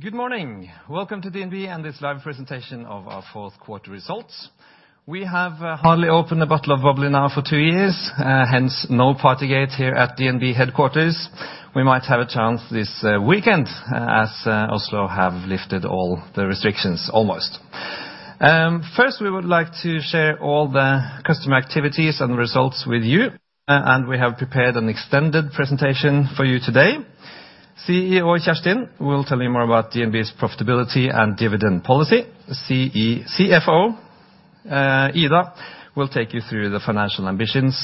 Good morning. Welcome to DNB and this live presentation of our fourth quarter results. We have hardly opened a bottle of bubbly now for two years, hence no party gate here at DNB headquarters. We might have a chance this weekend as Oslo have lifted all the restrictions, almost. First, we would like to share all the customer activities and results with you, and we have prepared an extended presentation for you today. CEO Kjerstin will tell you more about DNB's profitability and dividend policy. CFO Ida will take you through the financial ambitions.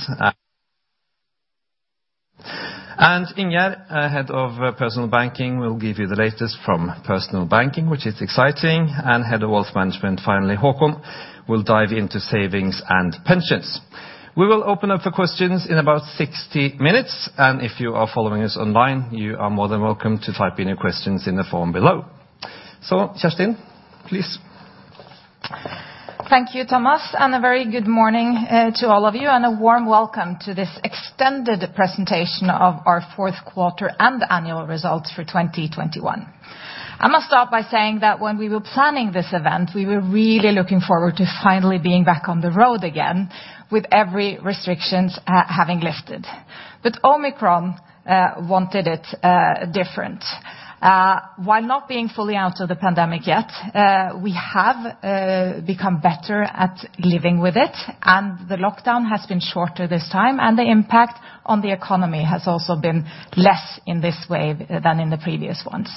Ingjerd, Head of Personal Banking, will give you the latest from Personal Banking, which is exciting. Head of Wealth Management, finally, Haakon, will dive into savings and pensions. We will open up for questions in about 60 minutes, and if you are following us online, you are more than welcome to type in your questions in the form below. Kjerstin, please. Thank you, Thomas, and a very good morning to all of you, and a warm welcome to this extended presentation of our fourth quarter and annual results for 2021. I must start by saying that when we were planning this event, we were really looking forward to finally being back on the road again with every restrictions having lifted. Omicron wanted it different. While not being fully out of the pandemic yet, we have become better at living with it, and the lockdown has been shorter this time, and the impact on the economy has also been less in this wave than in the previous ones.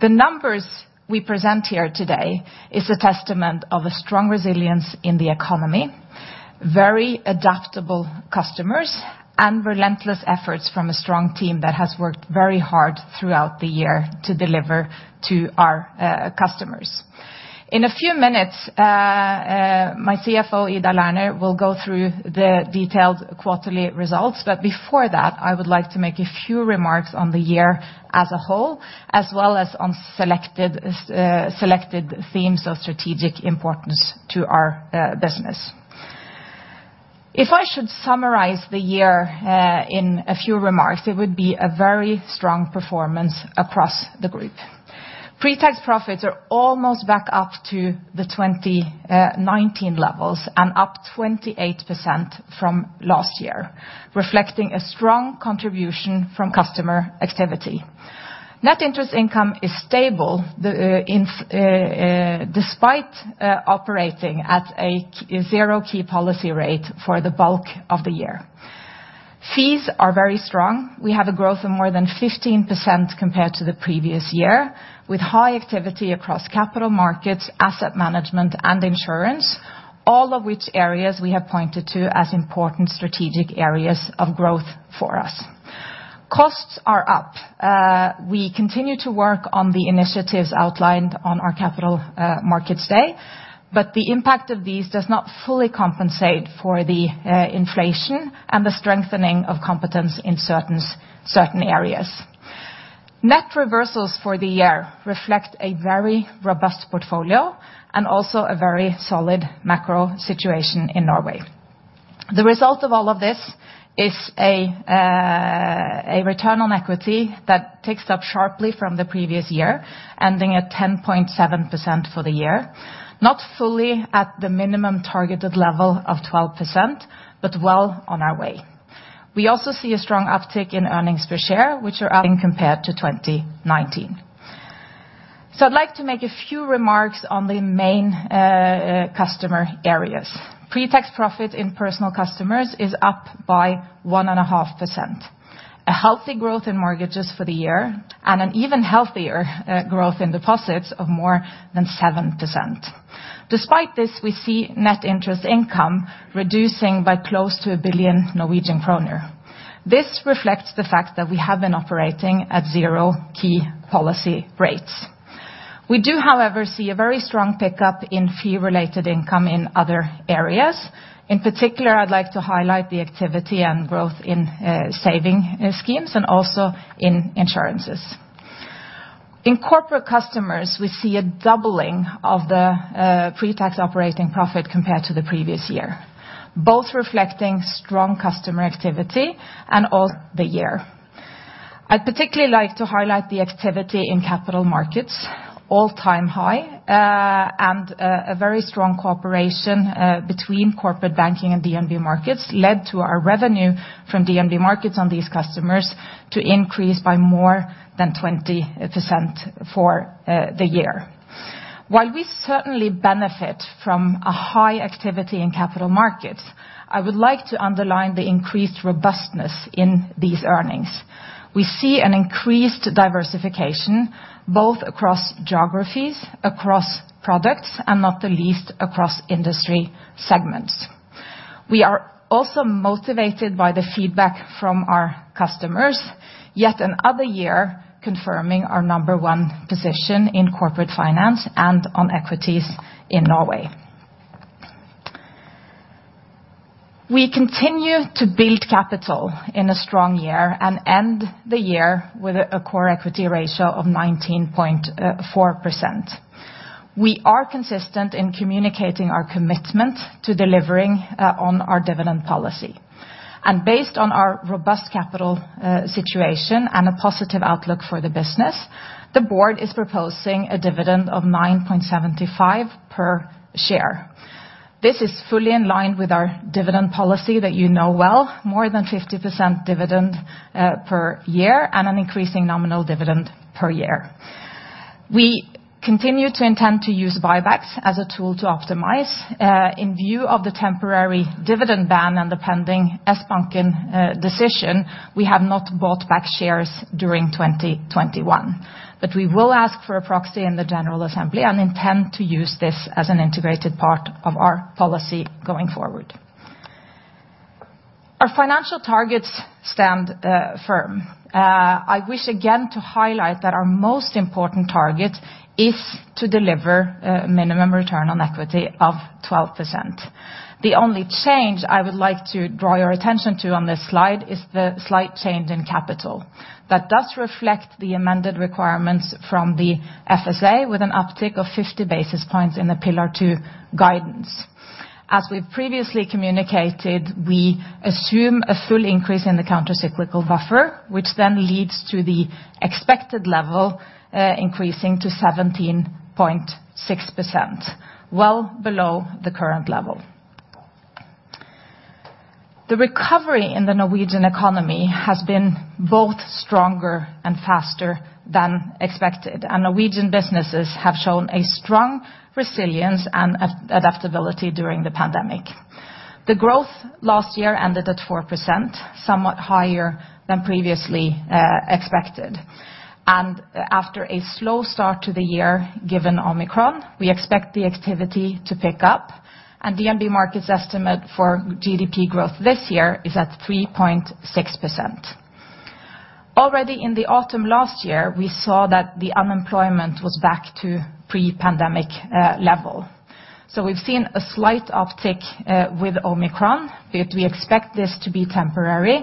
The numbers we present here today is a testament of a strong resilience in the economy, very adaptable customers, and relentless efforts from a strong team that has worked very hard throughout the year to deliver to our customers. In a few minutes, my CFO, Ida Lerner, will go through the detailed quarterly results, but before that, I would like to make a few remarks on the year as a whole, as well as on selected themes of strategic importance to our business. If I should summarize the year in a few remarks, it would be a very strong performance across the group. Pre-tax profits are almost back up to the 2019 levels and up 28% from last year, reflecting a strong contribution from customer activity. Net interest income is stable, despite operating at a zero key policy rate for the bulk of the year. Fees are very strong. We have a growth of more than 15% compared to the previous year, with high activity across capital markets, asset management, and insurance, all of which areas we have pointed to as important strategic areas of growth for us. Costs are up. We continue to work on the initiatives outlined on our capital markets day, but the impact of these does not fully compensate for the inflation and the strengthening of competence in certain areas. Net reversals for the year reflect a very robust portfolio and also a very solid macro situation in Norway. The result of all of this is a return on equity that ticks up sharply from the previous year, ending at 10.7% for the year. Not fully at the minimum targeted level of 12%, but well on our way. We also see a strong uptick in earnings per share, which are up compared to 2019. I'd like to make a few remarks on the main customer areas. Pre-tax profit in personal customers is up by 1.5%. A healthy growth in mortgages for the year and an even healthier growth in deposits of more than 7%. Despite this, we see net interest income reducing by close to 1 billion Norwegian kroner. This reflects the fact that we have been operating at zero key policy rates. We do, however, see a very strong pickup in fee-related income in other areas. In particular, I'd like to highlight the activity and growth in saving schemes and also in insurances. In corporate customers, we see a doubling of the pre-tax operating profit compared to the previous year, both reflecting strong customer activity and all the year. I'd particularly like to highlight the activity in capital markets all-time high and a very strong cooperation between corporate banking and DNB Markets led to our revenue from DNB Markets on these customers to increase by more than 20% for the year. While we certainly benefit from a high activity in capital markets, I would like to underline the increased robustness in these earnings. We see an increased diversification, both across geographies, across products, and not the least, across industry segments. We are also motivated by the feedback from our customers, yet another year confirming our number one position in corporate finance and on equities in Norway. We continue to build capital in a strong year and end the year with a core equity ratio of 19.4%. We are consistent in communicating our commitment to delivering on our dividend policy. Based on our robust capital situation and a positive outlook for the business, the board is proposing a dividend of 9.75 per share. This is fully in line with our dividend policy that you know well, more than 50% dividend per year and an increasing nominal dividend per year. We continue to intend to use buybacks as a tool to optimize. In view of the temporary dividend ban and the pending Sbanken decision, we have not bought back shares during 2021. We will ask for a proxy in the general assembly and intend to use this as an integrated part of our policy going forward. Our financial targets stand firm. I wish again to highlight that our most important target is to deliver minimum return on equity of 12%. The only change I would like to draw your attention to on this slide is the slight change in capital. That does reflect the amended requirements from the FSA with an uptick of 50 basis points in the Pillar 2 guidance. As we've previously communicated, we assume a full increase in the countercyclical buffer, which then leads to the expected level increasing to 17.6%, well below the current level. The recovery in the Norwegian economy has been both stronger and faster than expected, and Norwegian businesses have shown a strong resilience and adaptability during the pandemic. The growth last year ended at 4%, somewhat higher than previously expected. After a slow start to the year, given Omicron, we expect the activity to pick up, and DNB Markets' estimate for GDP growth this year is at 3.6%. Already in the autumn last year, we saw that the unemployment was back to pre-pandemic level. We've seen a slight uptick with Omicron, but we expect this to be temporary,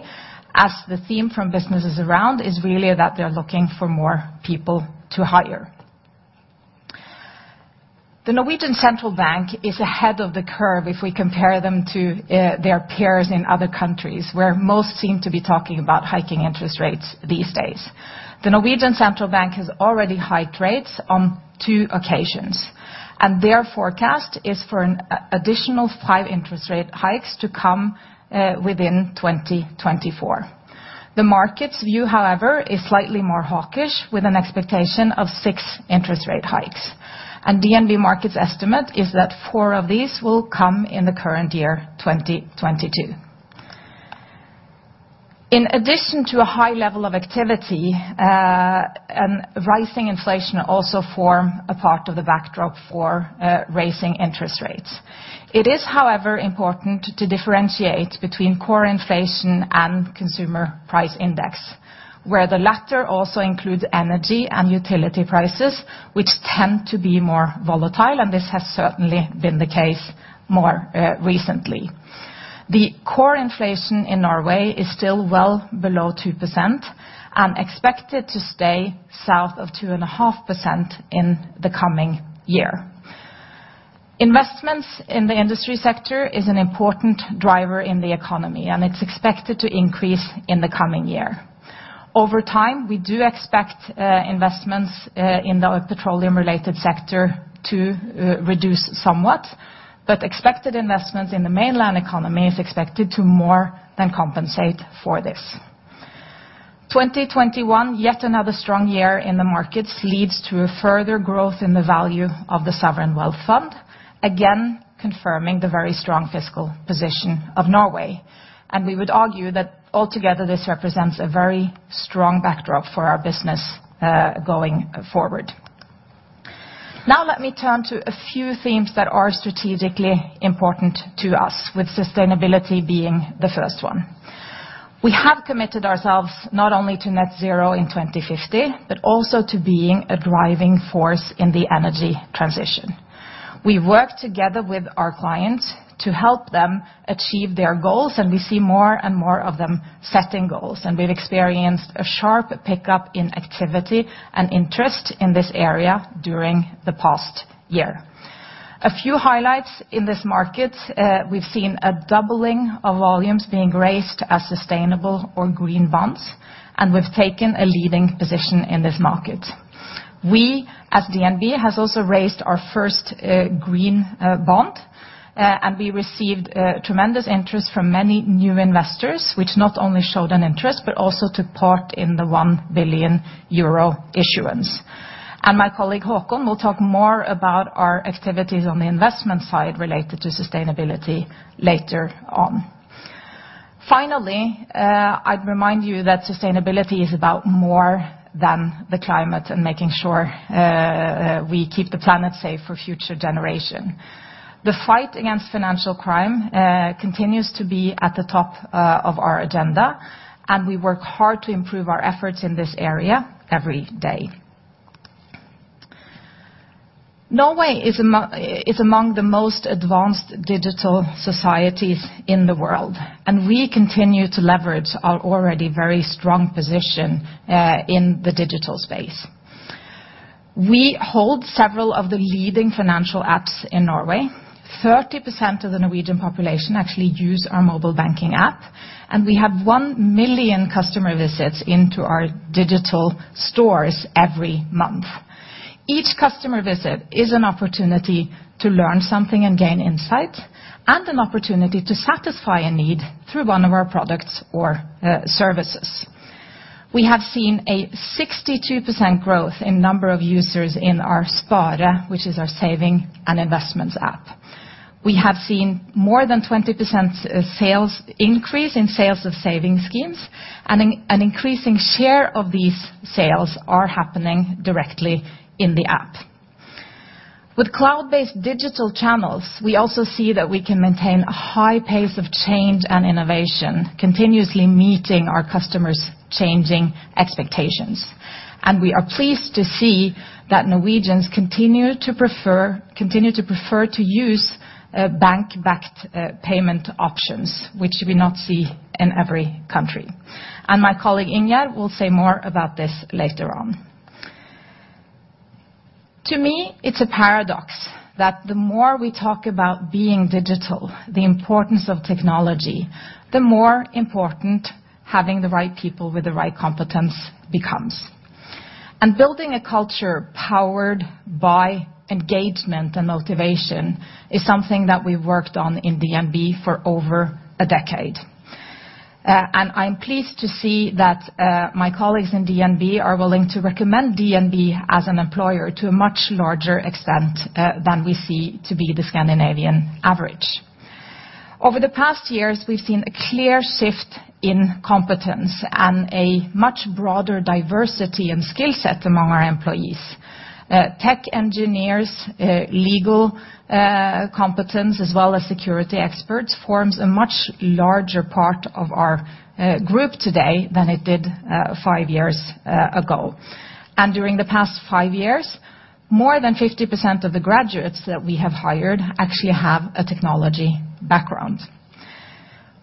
as the theme from businesses around is really that they're looking for more people to hire. Norges Bank is ahead of the curve if we compare them to their peers in other countries, where most seem to be talking about hiking interest rates these days. Norges Bank has already hiked rates on two occasions, and their forecast is for an additional five interest rate hikes to come within 2024. The market's view, however, is slightly more hawkish, with an expectation of 6 interest rate hikes. DNB Markets' estimate is that four of these will come in the current year, 2022. In addition to a high level of activity and rising inflation also form a part of the backdrop for raising interest rates. It is, however, important to differentiate between core inflation and consumer price index, where the latter also includes energy and utility prices, which tend to be more volatile, and this has certainly been the case more recently. The core inflation in Norway is still well below 2% and expected to stay south of 2.5% in the coming year. Investments in the industry sector is an important driver in the economy, and it's expected to increase in the coming year. Over time, we do expect investments in the petroleum-related sector to reduce somewhat, but expected investments in the mainland economy is expected to more than compensate for this. 2021, yet another strong year in the markets, leads to a further growth in the value of the sovereign wealth fund, again confirming the very strong fiscal position of Norway. We would argue that altogether this represents a very strong backdrop for our business, going forward. Now let me turn to a few themes that are strategically important to us, with sustainability being the first one. We have committed ourselves not only to net zero in 2050, but also to being a driving force in the energy transition. We work together with our clients to help them achieve their goals, and we see more and more of them setting goals. We've experienced a sharp pickup in activity and interest in this area during the past year. A few highlights in this market, we've seen a doubling of volumes being raised as sustainable or green bonds, and we've taken a leading position in this market. We, at DNB, has also raised our first green bond, and we received tremendous interest from many new investors, which not only showed an interest, but also took part in the 1 billion euro issuance. My colleague Håkon will talk more about our activities on the investment side related to sustainability later on. Finally, I'd remind you that sustainability is about more than the climate and making sure we keep the planet safe for future generation. The fight against financial crime continues to be at the top of our agenda, and we work hard to improve our efforts in this area every day. Norway is among the most advanced digital societies in the world, and we continue to leverage our already very strong position in the digital space. We hold several of the leading financial apps in Norway. 30% of the Norwegian population actually use our mobile banking app, and we have one million customer visits into our digital stores every month. Each customer visit is an opportunity to learn something and gain insight, and an opportunity to satisfy a need through one of our products or services. We have seen a 62% growth in number of users in our Spare, which is our saving and investments app. We have seen more than 20% increase in sales of saving schemes, and increasing share of these sales are happening directly in the app. With cloud-based digital channels, we also see that we can maintain a high pace of change and innovation, continuously meeting our customers' changing expectations. We are pleased to see that Norwegians continue to prefer to use bank-backed payment options, which we do not see in every country. My colleague, Ingjerd, will say more about this later on. To me, it's a paradox that the more we talk about being digital, the importance of technology, the more important having the right people with the right competence becomes. Building a culture powered by engagement and motivation is something that we've worked on in DNB for over a decade. I'm pleased to see that my colleagues in DNB are willing to recommend DNB as an employer to a much larger extent than we see to be the Scandinavian average. Over the past years, we've seen a clear shift in competence and a much broader diversity and skill set among our employees. Tech engineers, legal, competence, as well as security experts, forms a much larger part of our group today than it did five years ago. During the past five years, more than 50% of the graduates that we have hired actually have a technology background.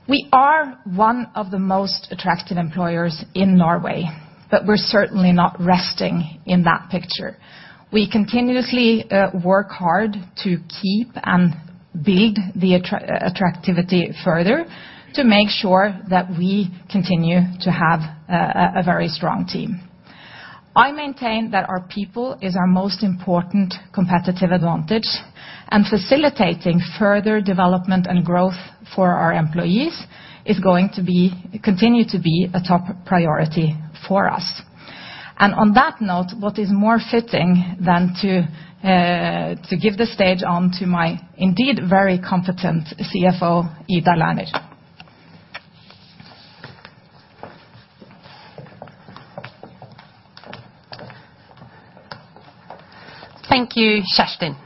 We are one of the most attractive employers in Norway, but we're certainly not resting in that picture. We continuously work hard to keep and build the attractivity further to make sure that we continue to have a very strong team. I maintain that our people is our most important competitive advantage, and facilitating further development and growth for our employees is going to continue to be a top priority for us. On that note, what is more fitting than to give the stage on to my indeed very competent CFO, Ida Lerner? Thank you, Kjerstin.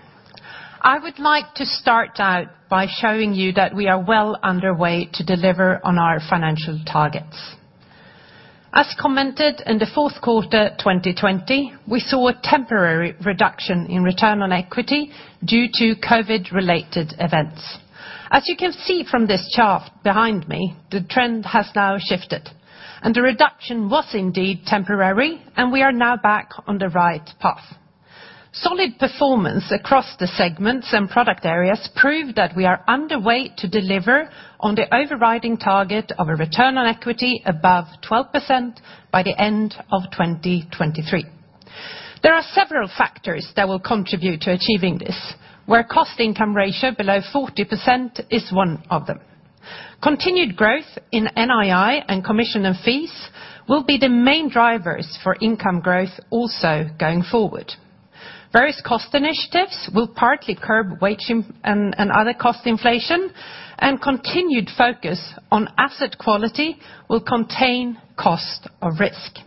I would like to start out by showing you that we are well underway to deliver on our financial targets. As commented in the fourth quarter, 2020, we saw a temporary reduction in return on equity due to COVID-related events. As you can see from this chart behind me, the trend has now shifted, and the reduction was indeed temporary, and we are now back on the right path. Solid performance across the segments and product areas prove that we are underway to deliver on the overriding target of a return on equity above 12% by the end of 2023. There are several factors that will contribute to achieving this, where cost income ratio below 40% is one of them. Continued growth in NII and commission and fees will be the main drivers for income growth also going forward. Various cost initiatives will partly curb wage inflation and other cost inflation, and continued focus on asset quality will contain cost of risk.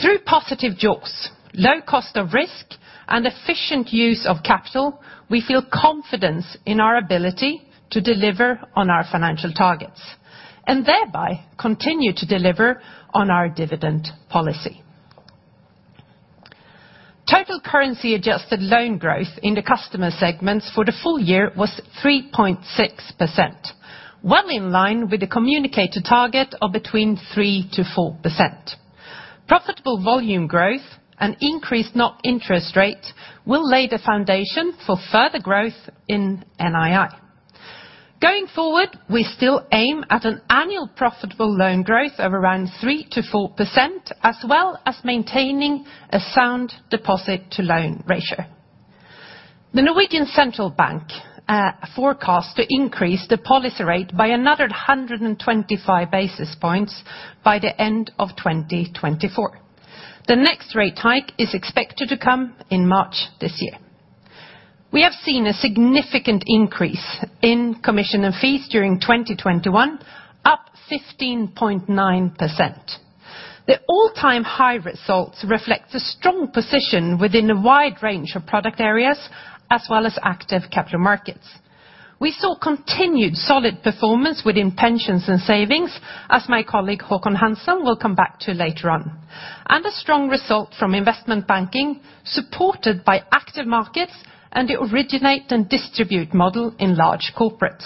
Through positive jaws, low cost of risk, and efficient use of capital, we feel confidence in our ability to deliver on our financial targets, and thereby continue to deliver on our dividend policy. Total currency adjusted loan growth in the customer segments for the full year was 3.6%, well in line with the communicated target of between 3%-4%. Profitable volume growth and increased net interest rate will lay the foundation for further growth in NII. Going forward, we still aim at an annual profitable loan growth of around 3%-4%, as well as maintaining a sound deposit-to-loan ratio. Norges Bank forecast to increase the policy rate by another 125 basis points by the end of 2024. The next rate hike is expected to come in March this year. We have seen a significant increase in commission and fees during 2021, up 15.9%. The all-time high results reflect the strong position within a wide range of product areas, as well as active capital markets. We saw continued solid performance within pensions and savings, as my colleague Håkon Hansen will come back to later on, and a strong result from investment banking supported by active markets and the originate and distribute model in large corporates.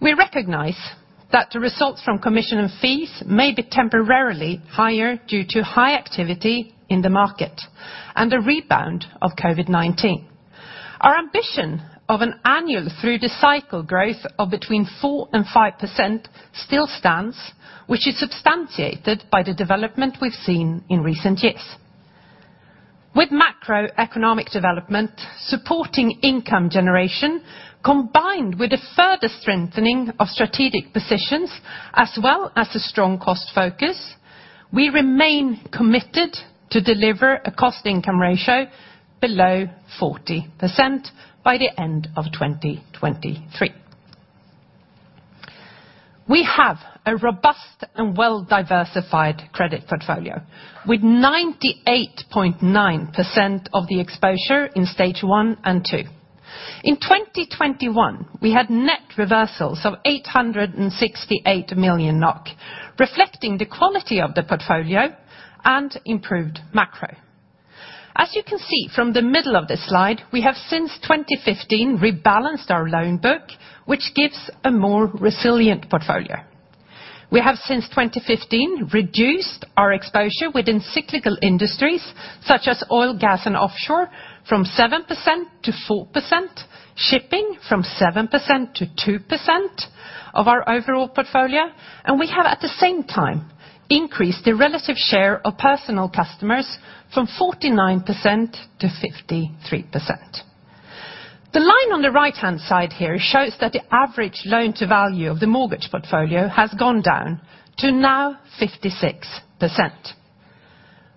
We recognize that the results from commission and fees may be temporarily higher due to high activity in the market and the rebound of COVID-19. Our ambition of an annual through-the-cycle growth of between 4% and 5% still stands, which is substantiated by the development we've seen in recent years. With macroeconomic development supporting income generation, combined with a further strengthening of strategic positions, as well as a strong cost focus, we remain committed to deliver a cost/income ratio below 40% by the end of 2023. We have a robust and well-diversified credit portfolio, with 98.9% of the exposure in stage one and two. In 2021, we had net reversals of 868 million NOK, reflecting the quality of the portfolio and improved macro. As you can see from the middle of this slide, we have since 2015 rebalanced our loan book, which gives a more resilient portfolio. We have since 2015 reduced our exposure within cyclical industries such as oil, gas, and offshore from 7% to 4%, shipping from 7% to 2% of our overall portfolio, and we have at the same time increased the relative share of personal customers from 49% to 53%. The line on the right-hand side here shows that the average loan-to-value of the mortgage portfolio has gone down to now 56%.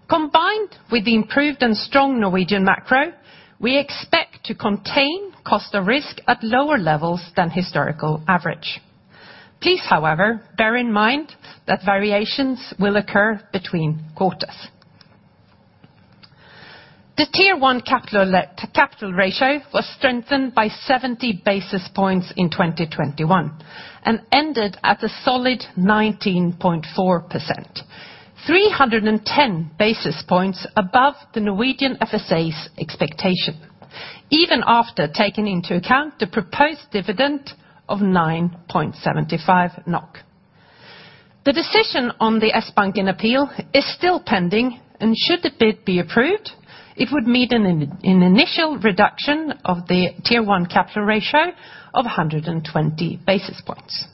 Combined with the improved and strong Norwegian macro, we expect to contain cost of risk at lower levels than historical average. Please, however, bear in mind that variations will occur between quarters. The Tier 1 capital ratio was strengthened by 70 basis points in 2021, and ended at a solid 19.4%, 310 basis points above the Norwegian FSA's expectation, even after taking into account the proposed dividend of 9.75 NOK. The decision on the Sbanken appeal is still pending, and should the bid be approved, it would mean an initial reduction of the Tier 1 capital ratio of 120 basis points.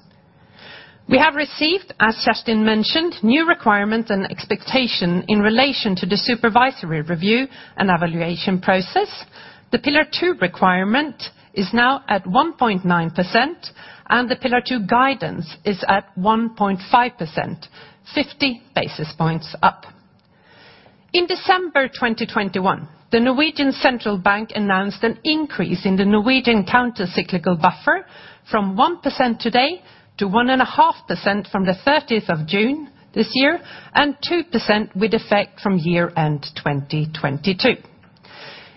We have received, as Kjerstin mentioned, new requirements and expectation in relation to the supervisory review and evaluation process. The Pillar 2 requirement is now at 1.9%, and the Pillar 2 guidance is at 1.5%, 50 basis points up. In December 2021, Norges Bank announced an increase in the Norwegian countercyclical buffer from 1% today to 1.5% from the 13th of June this year, and 2% with effect from year-end 2022.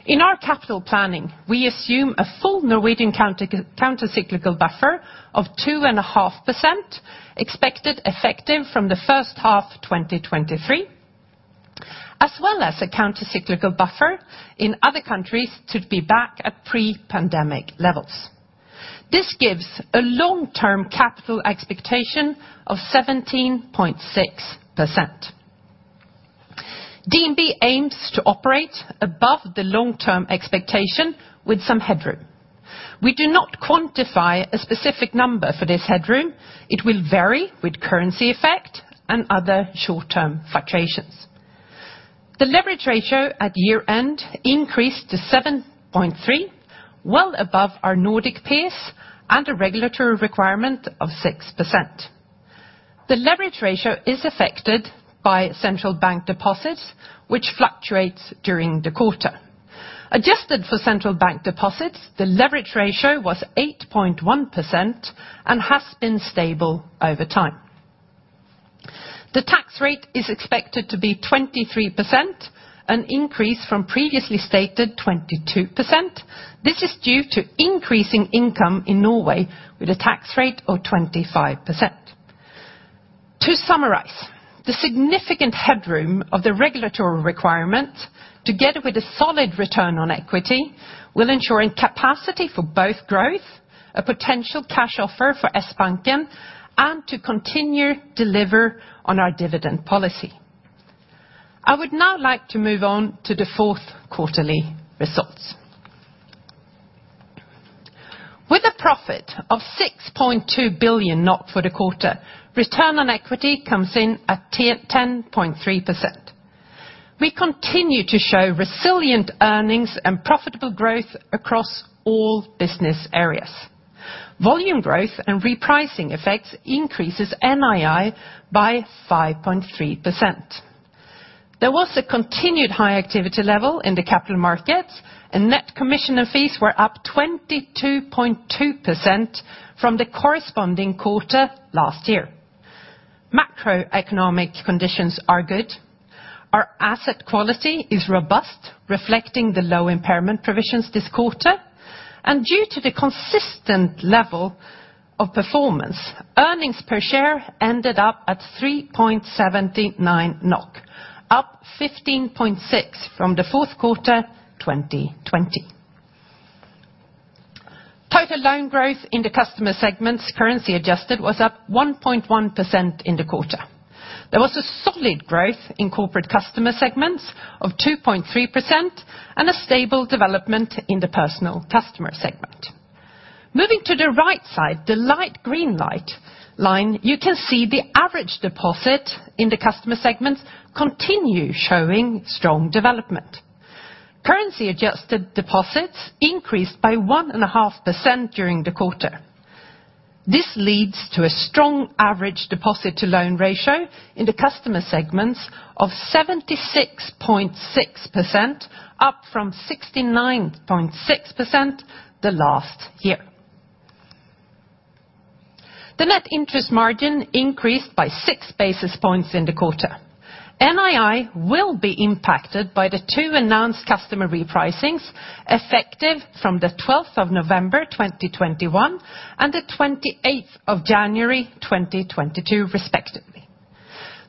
In our capital planning, we assume a full Norwegian countercyclical buffer of 2.5% expected effective from the first half 2023, as well as a countercyclical buffer in other countries to be back at pre-pandemic levels. This gives a long-term capital expectation of 17.6%. DNB aims to operate above the long-term expectation with some headroom. We do not quantify a specific number for this headroom. It will vary with currency effect and other short-term fluctuations. The leverage ratio at year-end increased to 7.3%, well above our Nordic peers and a regulatory requirement of 6%. The leverage ratio is affected by central bank deposits, which fluctuates during the quarter. Adjusted for central bank deposits, the leverage ratio was 8.1% and has been stable over time. The tax rate is expected to be 23%, an increase from previously stated 22%. This is due to increasing income in Norway with a tax rate of 25%. To summarize, the significant headroom of the regulatory requirement, together with a solid return on equity, will ensure capacity for both growth, a potential cash offer for Sbanken, and to continue to deliver on our dividend policy. I would now like to move on to the fourth quarter results. With a profit of 6.2 billion for the quarter, return on equity comes in at 10.3%. We continue to show resilient earnings and profitable growth across all business areas. Volume growth and repricing effects increases NII by 5.3%. There was a continued high activity level in the capital markets, and net commission and fees were up 22.2% from the corresponding quarter last year. Macroeconomic conditions are good. Our asset quality is robust, reflecting the low impairment provisions this quarter. Due to the consistent level of performance, earnings per share ended up at 3.79 NOK, up 15.6% from the fourth quarter 2020. Total loan growth in the customer segments, currency adjusted, was up 1.1% in the quarter. There was a solid growth in corporate customer segments of 2.3% and a stable development in the personal customer segment. Moving to the right side, the light green light line, you can see the average deposit in the customer segments continue showing strong development. Currency adjusted deposits increased by 1.5% during the quarter. This leads to a strong average deposit-to-loan ratio in the customer segments of 76.6% up from 69.6% the last year. The net interest margin increased by 6 basis points in the quarter. NII will be impacted by the two announced customer repricings effective from November 12, 2021, and January 28, 2022 respectively.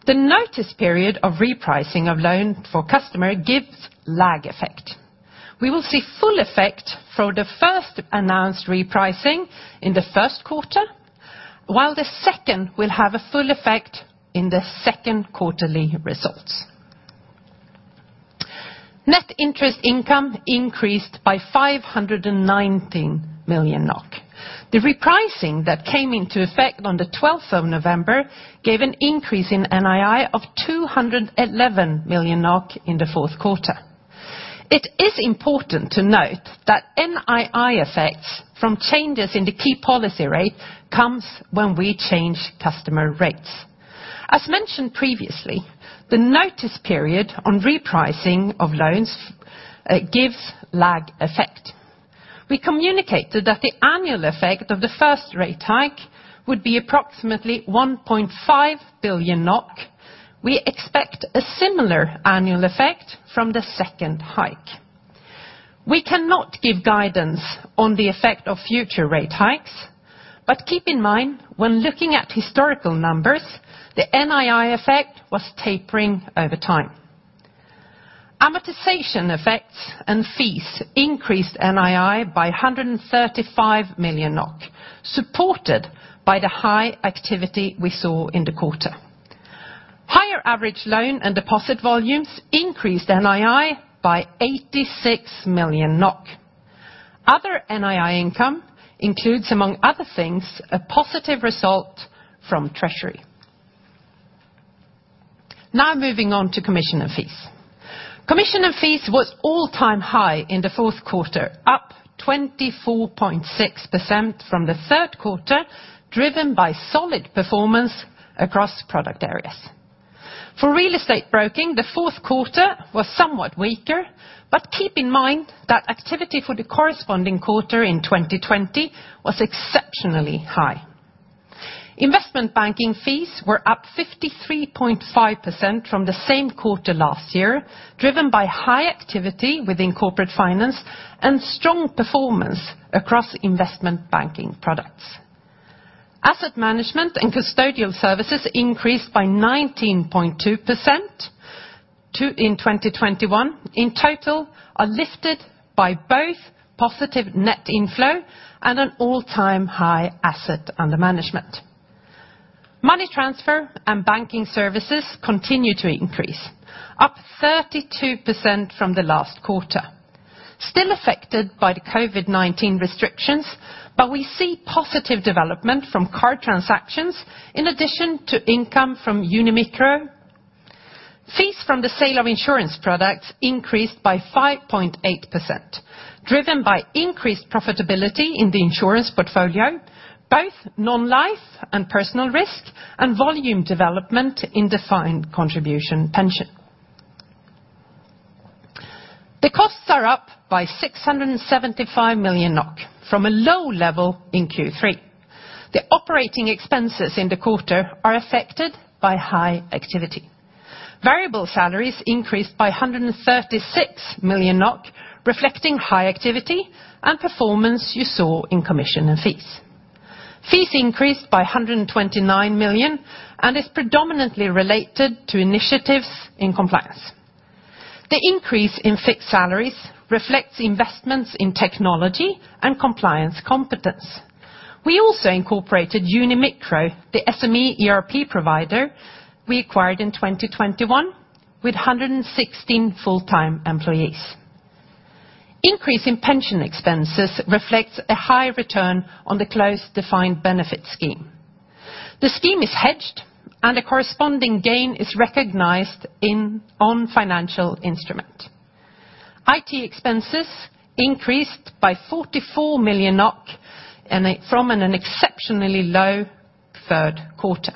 The notice period of repricing of loan for customer gives lag effect. We will see full effect for the first announced repricing in the first quarter, while the second will have a full effect in the second quarterly results. Net interest income increased by 590 million NOK. The repricing that came into effect on the twelfth of November gave an increase in NII of 211 million NOK in the fourth quarter. It is important to note that NII effects from changes in the key policy rate comes when we change customer rates. As mentioned previously, the notice period on repricing of loans gives lag effect. We communicated that the annual effect of the first rate hike would be approximately 1.5 billion NOK. We expect a similar annual effect from the second hike. We cannot give guidance on the effect of future rate hikes. Keep in mind when looking at historical numbers, the NII effect was tapering over time. Amortization effects and fees increased NII by 135 million NOK, supported by the high activity we saw in the quarter. Higher average loan and deposit volumes increased NII by 86 million NOK. Other NII income includes, among other things, a positive result from treasury. Now moving on to commission and fees. Commission and fees was all-time high in the fourth quarter, up 24.6% from the third quarter, driven by solid performance across product areas. For real estate broking, the fourth quarter was somewhat weaker, but keep in mind that activity for the corresponding quarter in 2020 was exceptionally high. Investment banking fees were up 53.5% from the same quarter last year, driven by high activity within corporate finance and strong performance across investment banking products. Asset management and custodial services increased by 19.2% to in 2021. In total, are lifted by both positive net inflow and an all-time high asset under management. Money transfer and banking services continue to increase, up 32% from the last quarter. Still affected by the COVID-19 restrictions, but we see positive development from card transactions in addition to income from Uni Micro. Fees from the sale of insurance products increased by 5.8%, driven by increased profitability in the insurance portfolio, both non-life and personal risk and volume development in defined contribution pension. The costs are up by 675 million NOK from a low level in Q3. The operating expenses in the quarter are affected by high activity. Variable salaries increased by 136 million NOK, reflecting high activity and performance you saw in commission and fees. Fees increased by 129 million, and it's predominantly related to initiatives in compliance. The increase in fixed salaries reflects investments in technology and compliance competence. We also incorporated Uni Micro, the SME ERP provider we acquired in 2021 with 116 full-time employees. Increase in pension expenses reflects a high return on the closed defined benefit scheme. The scheme is hedged, and a corresponding gain is recognized on financial instrument. IT expenses increased by 44 million NOK and from an exceptionally low third quarter.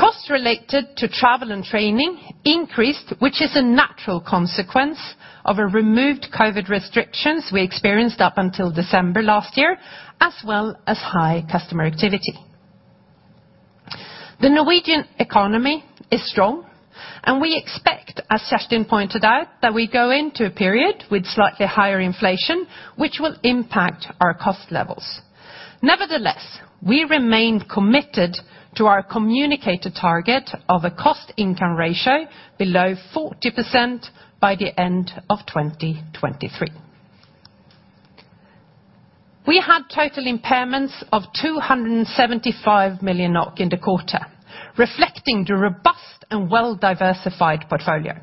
Costs related to travel and training increased, which is a natural consequence of the removal of COVID restrictions we experienced up until December last year, as well as high customer activity. The Norwegian economy is strong, and we expect. As Kjerstin pointed out, that we go into a period with slightly higher inflation, which will impact our cost levels. Nevertheless, we remain committed to our communicated target of a cost income ratio below 40% by the end of 2023. We had total impairments of 275 million NOK in the quarter, reflecting the robust and well-diversified portfolio.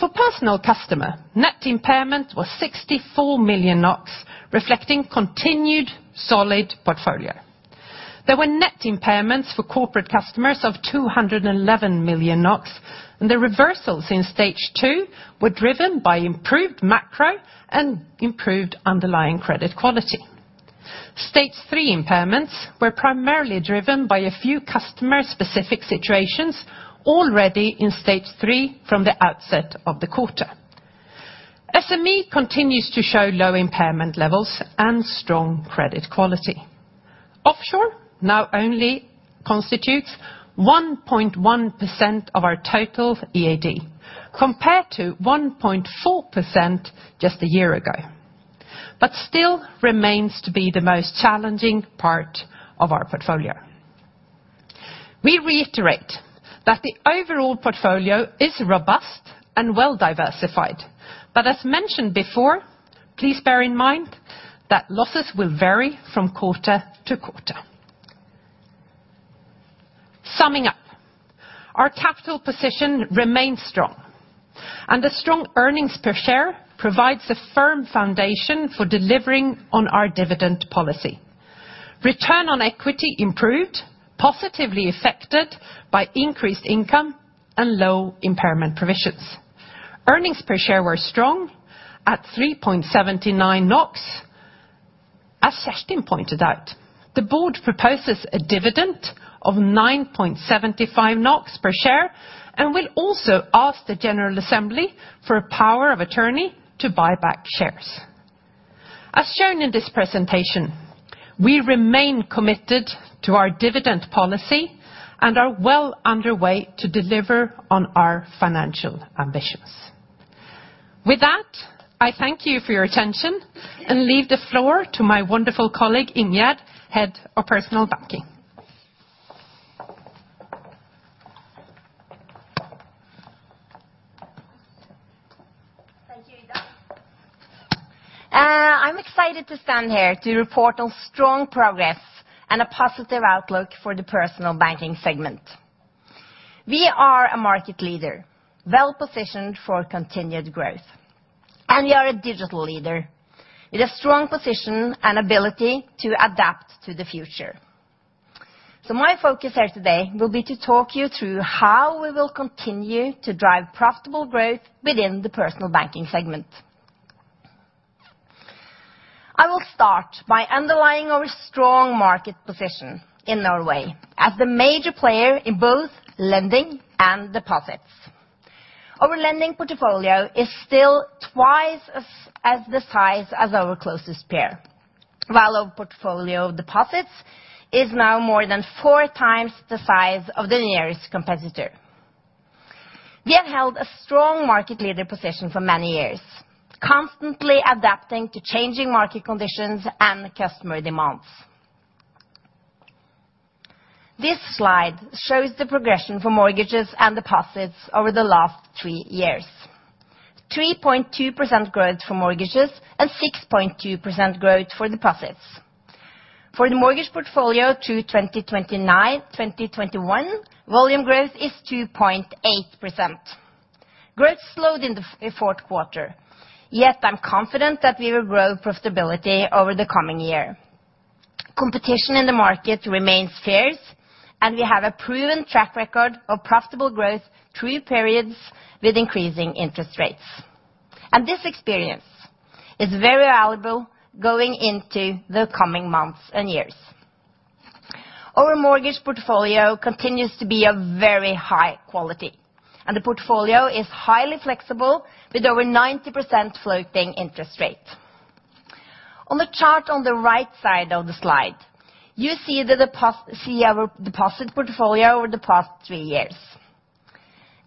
For personal customer, net impairment was 64 million NOK, reflecting continued solid portfolio. There were net impairments for corporate customers of 211 million NOK, and the reversals in stage two were driven by improved macro and improved underlying credit quality. Stage three impairments were primarily driven by a few customer-specific situations already in stage three from the outset of the quarter. SME continues to show low impairment levels and strong credit quality. Offshore now only constitutes 1.1% of our total EAD, compared to 1.4% just a year ago, but still remains to be the most challenging part of our portfolio. We reiterate that the overall portfolio is robust and well-diversified. As mentioned before, please bear in mind that losses will vary from quarter-to-quarter. Summing up, our capital position remains strong, and the strong earnings per share provides a firm foundation for delivering on our dividend policy. Return on equity improved, positively affected by increased income and low impairment provisions. Earnings per share were strong at 3.79 NOK. As Kjerstin pointed out, the board proposes a dividend of 9.75 NOK per share and will also ask the general assembly for a power of attorney to buy back shares. As shown in this presentation, we remain committed to our dividend policy and are well underway to deliver on our financial ambitions. With that, I thank you for your attention and leave the floor to my wonderful colleague, Ingjerd, Head of Personal Banking. Thank you, Ida. I'm excited to stand here to report on strong progress and a positive outlook for the Personal Banking segment. We are a market leader, well positioned for continued growth, and we are a digital leader with a strong position and ability to adapt to the future. My focus here today will be to talk you through how we will continue to drive profitable growth within the Personal Banking segment. I will start by underlining our strong market position in Norway as the major player in both lending and deposits. Our lending portfolio is still twice the size of our closest peer, while our portfolio of deposits is now more than four times the size of the nearest competitor. We have held a strong market leader position for many years, constantly adapting to changing market conditions and customer demands. This slide shows the progression for mortgages and deposits over the last three years. 3.2% growth for mortgages and 6.2% growth for deposits. For the mortgage portfolio from 2019 to 2021, volume growth is 2.8%. Growth slowed in the fourth quarter, yet I'm confident that we will grow profitability over the coming year. Competition in the market remains fierce, and we have a proven track record of profitable growth through periods with increasing interest rates. This experience is very valuable going into the coming months and years. Our mortgage portfolio continues to be a very high quality, and the portfolio is highly flexible with over 90% floating interest rate. On the chart on the right side of the slide, you see our deposit portfolio over the past three years.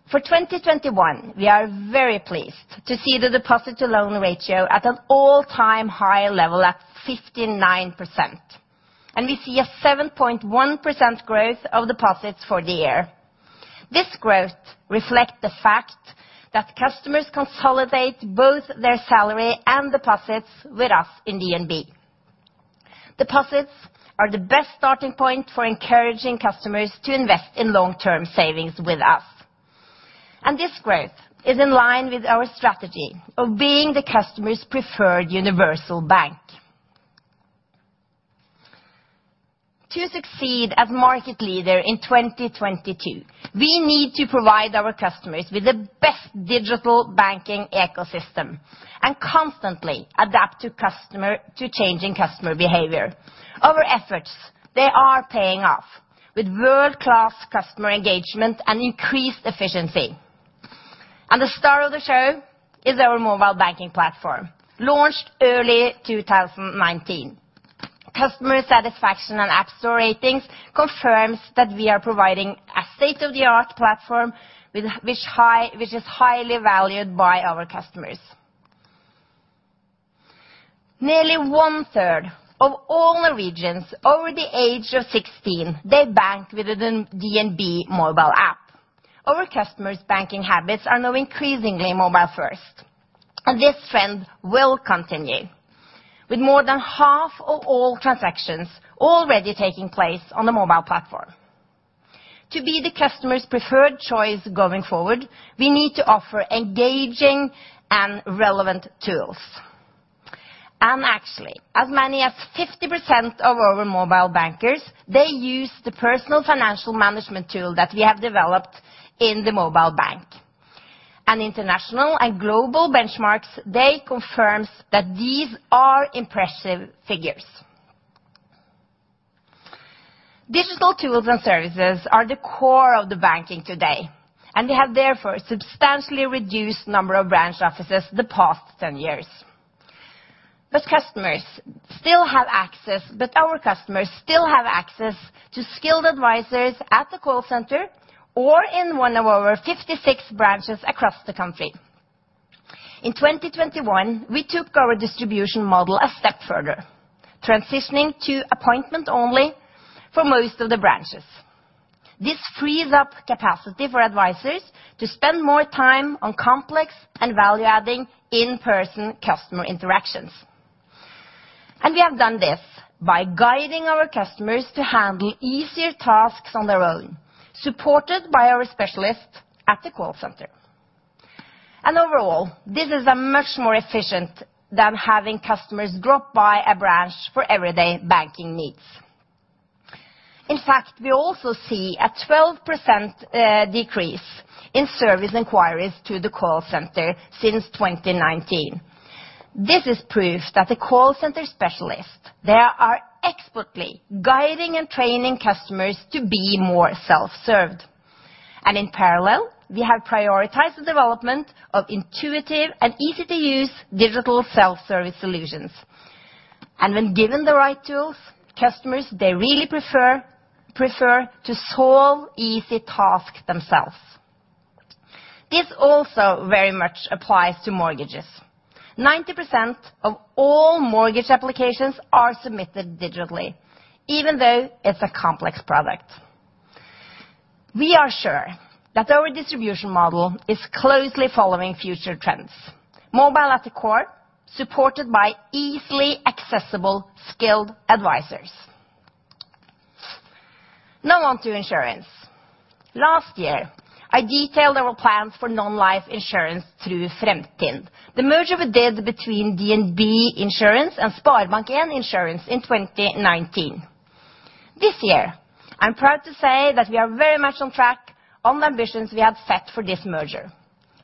For 2021, we are very pleased to see the deposit-to-loan ratio at an all-time high level at 59%, and we see a 7.1% growth of deposits for the year. This growth reflect the fact that customers consolidate both their salary and deposits with us in DNB. Deposits are the best starting point for encouraging customers to invest in long-term savings with us, and this growth is in line with our strategy of being the customer's preferred universal bank. To succeed as market leader in 2022, we need to provide our customers with the best digital banking ecosystem and constantly adapt to changing customer behavior. Our efforts, they are paying off with world-class customer engagement and increased efficiency. The star of the show is our mobile banking platform, launched early 2019. Customer satisfaction and App Store ratings confirms that we are providing a state-of-the-art platform which is highly valued by our customers. Nearly one-third of all Norwegians over the age of 16, they bank with the DNB mobile app. Our customers' banking habits are now increasingly mobile first, and this trend will continue, with more than half of all transactions already taking place on the mobile platform. To be the customer's preferred choice going forward, we need to offer engaging and relevant tools. Actually, as many as 50% of our mobile bankers, they use the personal financial management tool that we have developed in the mobile bank. International and global benchmarks, they confirms that these are impressive figures. Digital tools and services are the core of the banking today, and we have therefore substantially reduced number of branch offices the past 10 years. Our customers still have access to skilled advisors at the call center or in one of our 56 branches across the country. In 2021, we took our distribution model a step further, transitioning to appointment only for most of the branches. This frees up capacity for advisors to spend more time on complex and value-adding in-person customer interactions. We have done this by guiding our customers to handle easier tasks on their own, supported by our specialists at the call center. Overall, this is a much more efficient than having customers drop by a branch for everyday banking needs. In fact, we also see a 12% decrease in service inquiries to the call center since 2019. This is proof that the call center specialists, they are expertly guiding and training customers to be more self-served. In parallel, we have prioritized the development of intuitive and easy-to-use digital self-service solutions. When given the right tools, customers, they really prefer to solve easy task themselves. This also very much applies to mortgages. 90% of all mortgage applications are submitted digitally, even though it's a complex product. We are sure that our distribution model is closely following future trends, mobile at the core, supported by easily accessible, skilled advisors. Now on to insurance. Last year, I detailed our plans for non-life insurance through Fremtind, the merger we did between DNB Insurance and SpareBank 1 Forsikring in 2019. This year, I'm proud to say that we are very much on track on the ambitions we have set for this merger.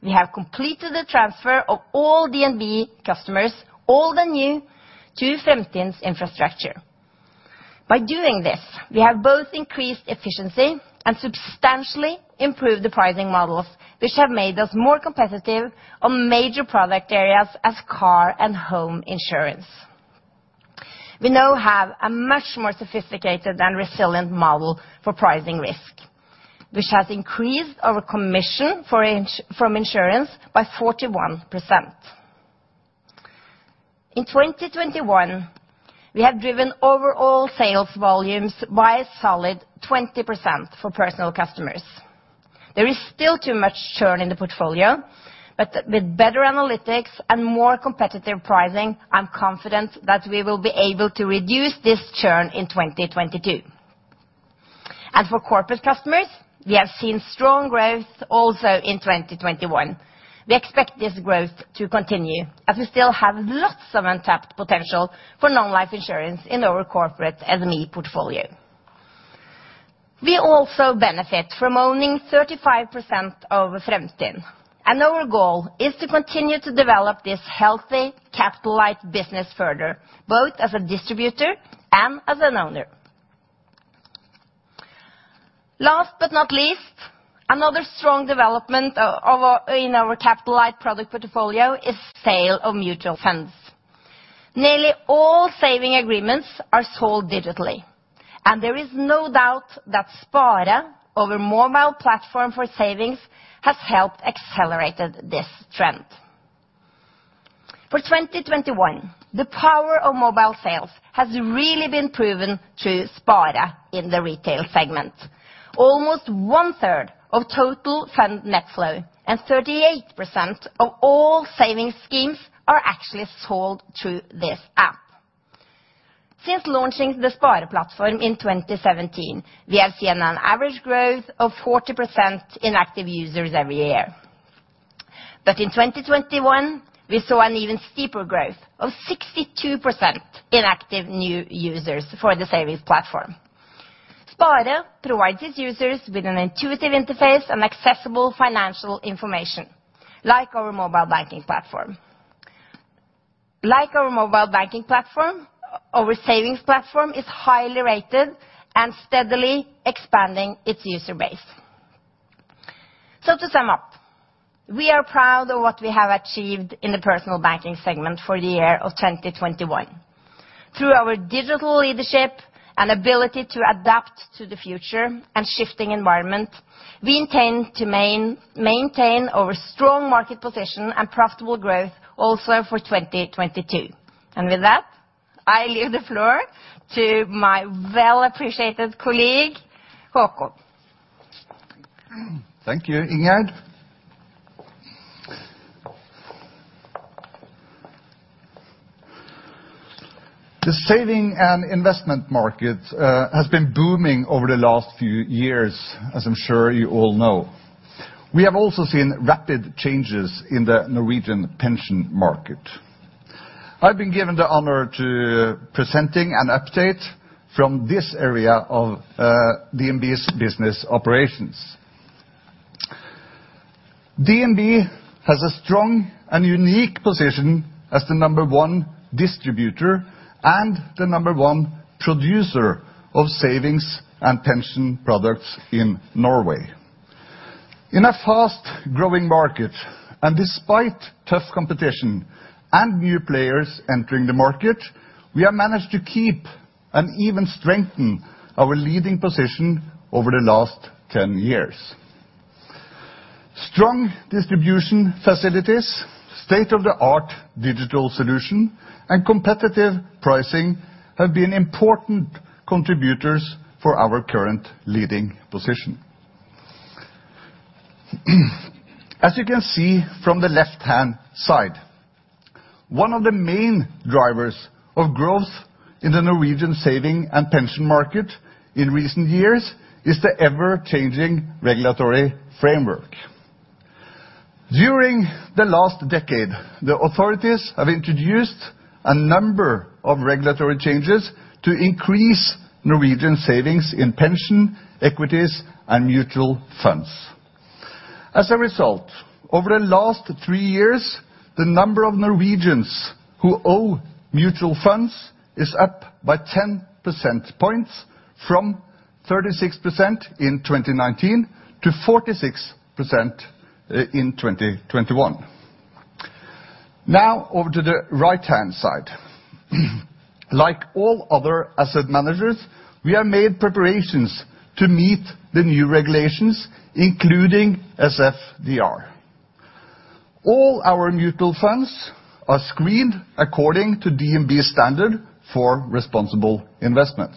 We have completed the transfer of all DNB customers, old and new, to Fremtind's infrastructure. By doing this, we have both increased efficiency and substantially improved the pricing models, which have made us more competitive on major product areas as car and home insurance. We now have a much more sophisticated and resilient model for pricing risk, which has increased our commission from insurance by 41%. In 2021, we have driven overall sales volumes by a solid 20% for personal customers. There is still too much churn in the portfolio, but with better analytics and more competitive pricing, I'm confident that we will be able to reduce this churn in 2022. For corporate customers, we have seen strong growth also in 2021. We expect this growth to continue as we still have lots of untapped potential for non-life insurance in our corporate SME portfolio. We also benefit from owning 35% of Fremtind, and our goal is to continue to develop this healthy, capitalized business further, both as a distributor and as an owner. Last but not least, another strong development of our capital light product portfolio is sale of mutual funds. Nearly all saving agreements are sold digitally, and there is no doubt that Spare, our mobile platform for savings, has helped accelerate this trend. For 2021, the power of mobile sales has really been proven through Spare in the retail segment. Almost 1/3 of total fund net flow and 38% of all savings schemes are actually sold through this app. Since launching the Spare platform in 2017, we have seen an average growth of 40% in active users every year. In 2021, we saw an even steeper growth of 62% in active new users for the savings platform. Spare provides its users with an intuitive interface and accessible financial information, like our mobile banking platform. Like our mobile banking platform, our savings platform is highly rated and steadily expanding its user base. To sum up, we are proud of what we have achieved in the Personal Banking segment for the year of 2021. Through our digital leadership and ability to adapt to the future and shifting environment, we intend to maintain our strong market position and profitable growth also for 2022. With that, I leave the floor to my well appreciated colleague, Håkon. Thank you, Ingjerd. The saving and investment market has been booming over the last few years, as I'm sure you all know. We have also seen rapid changes in the Norwegian pension market. I've been given the honor to presenting an update from this area of DNB's business operations. DNB has a strong and unique position as the number one distributor and the number one producer of savings and pension products in Norway. In a fast-growing market, and despite tough competition and new players entering the market, we have managed to keep and even strengthen our leading position over the last 10 years. Strong distribution facilities, state-of-the-art digital solution, and competitive pricing have been important contributors for our current leading position. As you can see from the left-hand side, one of the main drivers of growth in the Norwegian saving and pension market in recent years is the ever-changing regulatory framework. During the last decade, the authorities have introduced a number of regulatory changes to increase Norwegian savings in pension, equities, and mutual funds. As a result, over the last three years, the number of Norwegians who own mutual funds is up by 10 percentage points from 36% in 2019 to 46% in 2021. Now over to the right-hand side. Like all other asset managers, we have made preparations to meet the new regulations, including SFDR. All our mutual funds are screened according to DNB standard for responsible investments.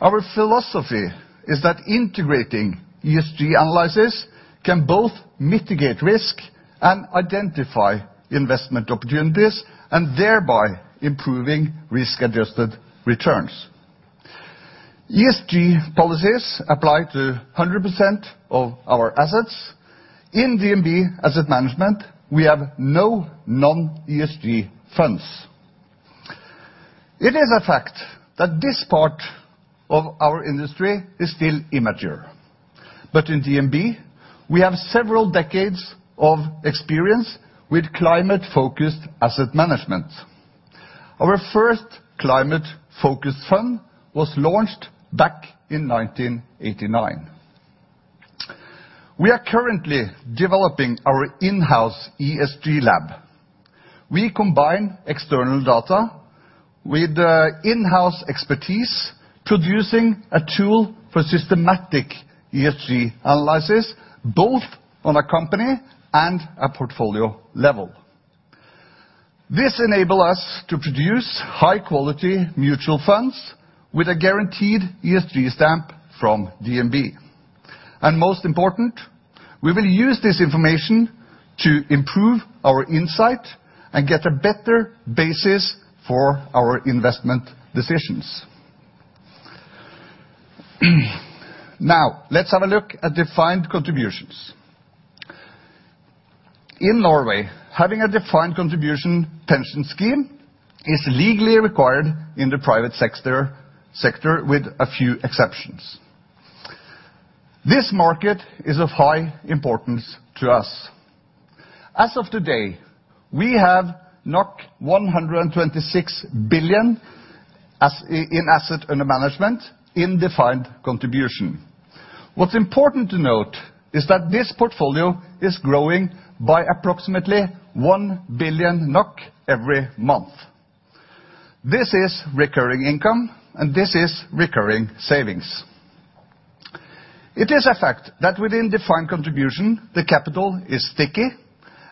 Our philosophy is that integrating ESG analysis can both mitigate risk and identify investment opportunities, and thereby improving risk-adjusted returns. ESG policies apply to 100% of our assets. In DNB Asset Management, we have no non-ESG funds. It is a fact that this part of our industry is still immature. In DNB, we have several decades of experience with climate-focused asset management. Our first climate-focused fund was launched back in 1989. We are currently developing our in-house ESG lab. We combine external data with in-house expertise, producing a tool for systematic ESG analysis, both on a company and a portfolio level. This enable us to produce high-quality mutual funds with a guaranteed ESG stamp from DNB. Most important, we will use this information to improve our insight and get a better basis for our investment decisions. Now, let's have a look at defined contributions. In Norway, having a defined contribution pension scheme is legally required in the private sector with a few exceptions. This market is of high importance to us. As of today, we have 126 billion in assets under management in defined contribution. What's important to note is that this portfolio is growing by approximately 1 billion NOK every month. This is recurring income, and this is recurring savings. It is a fact that within defined contribution, the capital is sticky,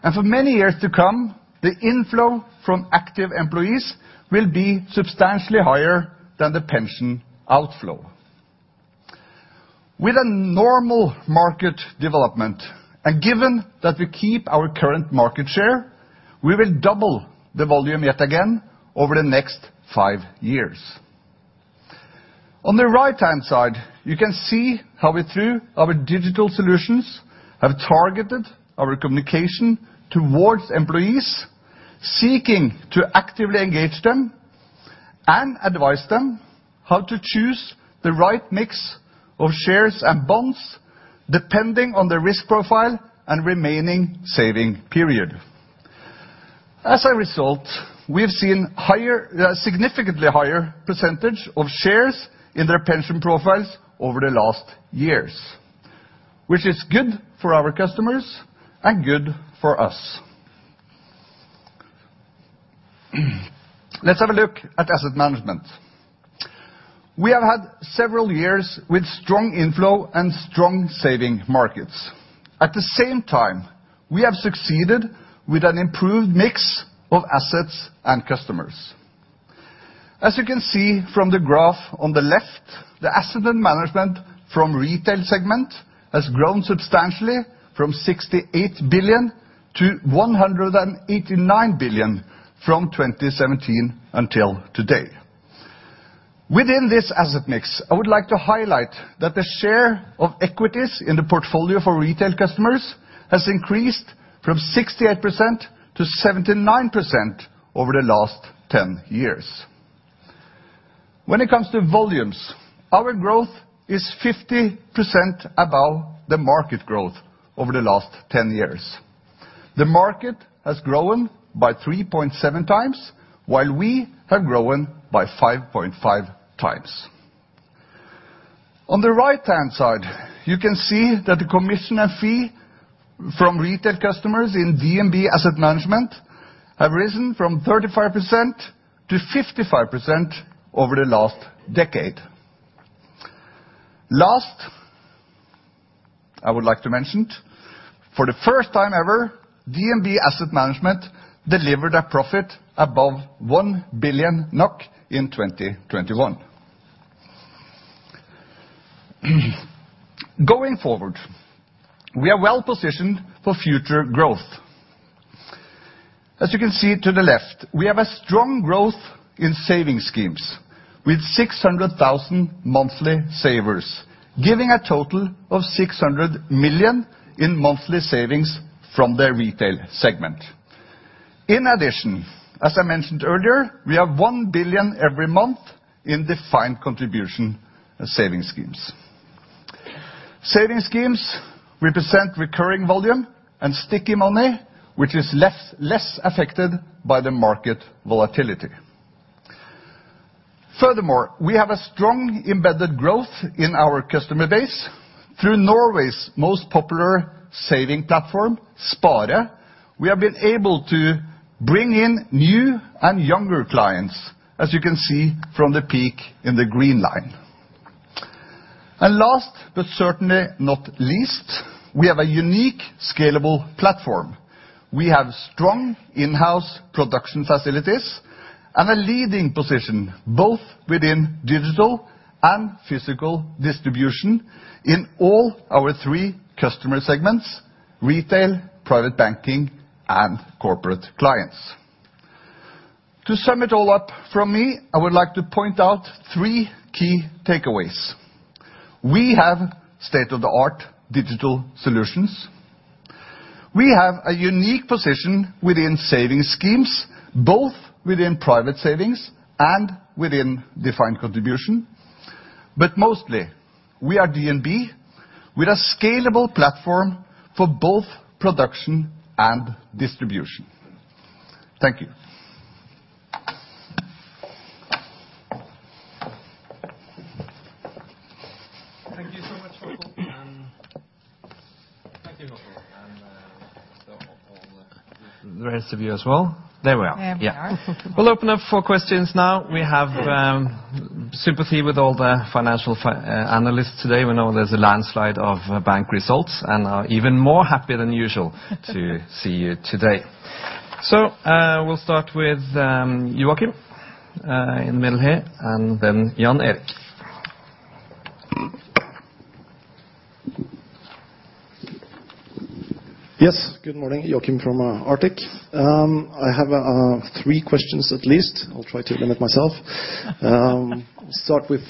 and for many years to come, the inflow from active employees will be substantially higher than the pension outflow. With a normal market development, and given that we keep our current market share, we will double the volume yet again over the next five years. On the right-hand side, you can see how we, through our digital solutions, have targeted our communication towards employees, seeking to actively engage them and advise them how to choose the right mix of shares and bonds depending on their risk profile and remaining saving period. As a result, we have seen higher, significantly higher percentage of shares in their pension profiles over the last years, which is good for our customers and good for us. Let's have a look at asset management. We have had several years with strong inflow and strong saving markets. At the same time, we have succeeded with an improved mix of assets and customers. As you can see from the graph on the left, the asset management from retail segment has grown substantially from 68 billion to 189 billion from 2017 until today. Within this asset mix, I would like to highlight that the share of equities in the portfolio for retail customers has increased from 68% to 79% over the last 10 years. When it comes to volumes, our growth is 50% above the market growth over the last 10 years. The market has grown by 3.7x, while we have grown by 5.5x. On the right-hand side, you can see that the commission and fee from retail customers in DNB Asset Management have risen from 35% to 55% over the last decade. Last, I would like to mention it, for the first time ever, DNB Asset Management delivered a profit above 1 billion NOK in 2021. Going forward, we are well positioned for future growth. As you can see to the left, we have a strong growth in saving schemes with 600,000 monthly savers, giving a total of 600 million in monthly savings from the retail segment. In addition, as I mentioned earlier, we have 1 billion every month in defined contribution saving schemes. Saving schemes represent recurring volume and sticky money, which is less affected by the market volatility. Furthermore, we have a strong embedded growth in our customer base through Norway's most popular saving platform, Spare. We have been able to bring in new and younger clients, as you can see from the peak in the green line. Last, but certainly not least, we have a unique scalable platform. We have strong in-house production facilities and a leading position, both within digital and physical distribution in all our three customer segments, retail, private banking, and corporate clients. To sum it all up from me, I would like to point out three key takeaways. We have state-of-the-art digital solutions. We have a unique position within saving schemes, both within private savings and within defined contribution. Mostly, we are DNB with a scalable platform for both production and distribution. Thank you. Thank you so much, Håkon. Thank you, Håkon, and all the rest of you as well. There we are. There we are. Yeah. We'll open up for questions now. We have sympathy with all the financial analysts today. We know there's a landslide of bank results, and are even more happy than usual to see you today. We'll start with Joakim in the middle here, and then Jan Erik. Yes. Good morning. Joakim from Arctic. I have three questions at least. I'll try to limit myself. Start with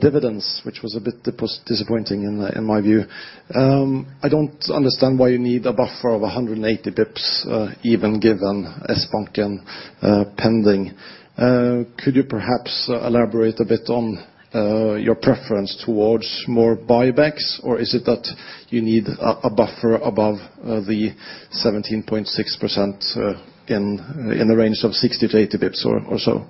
dividends, which was a bit disappointing in my view. I don't understand why you need a buffer of 180 basis points, even given Sbanken pending. Could you perhaps elaborate a bit on your preference towards more buybacks? Or is it that you need a buffer above the 17.6%, in the range of 60-80 basis points or so?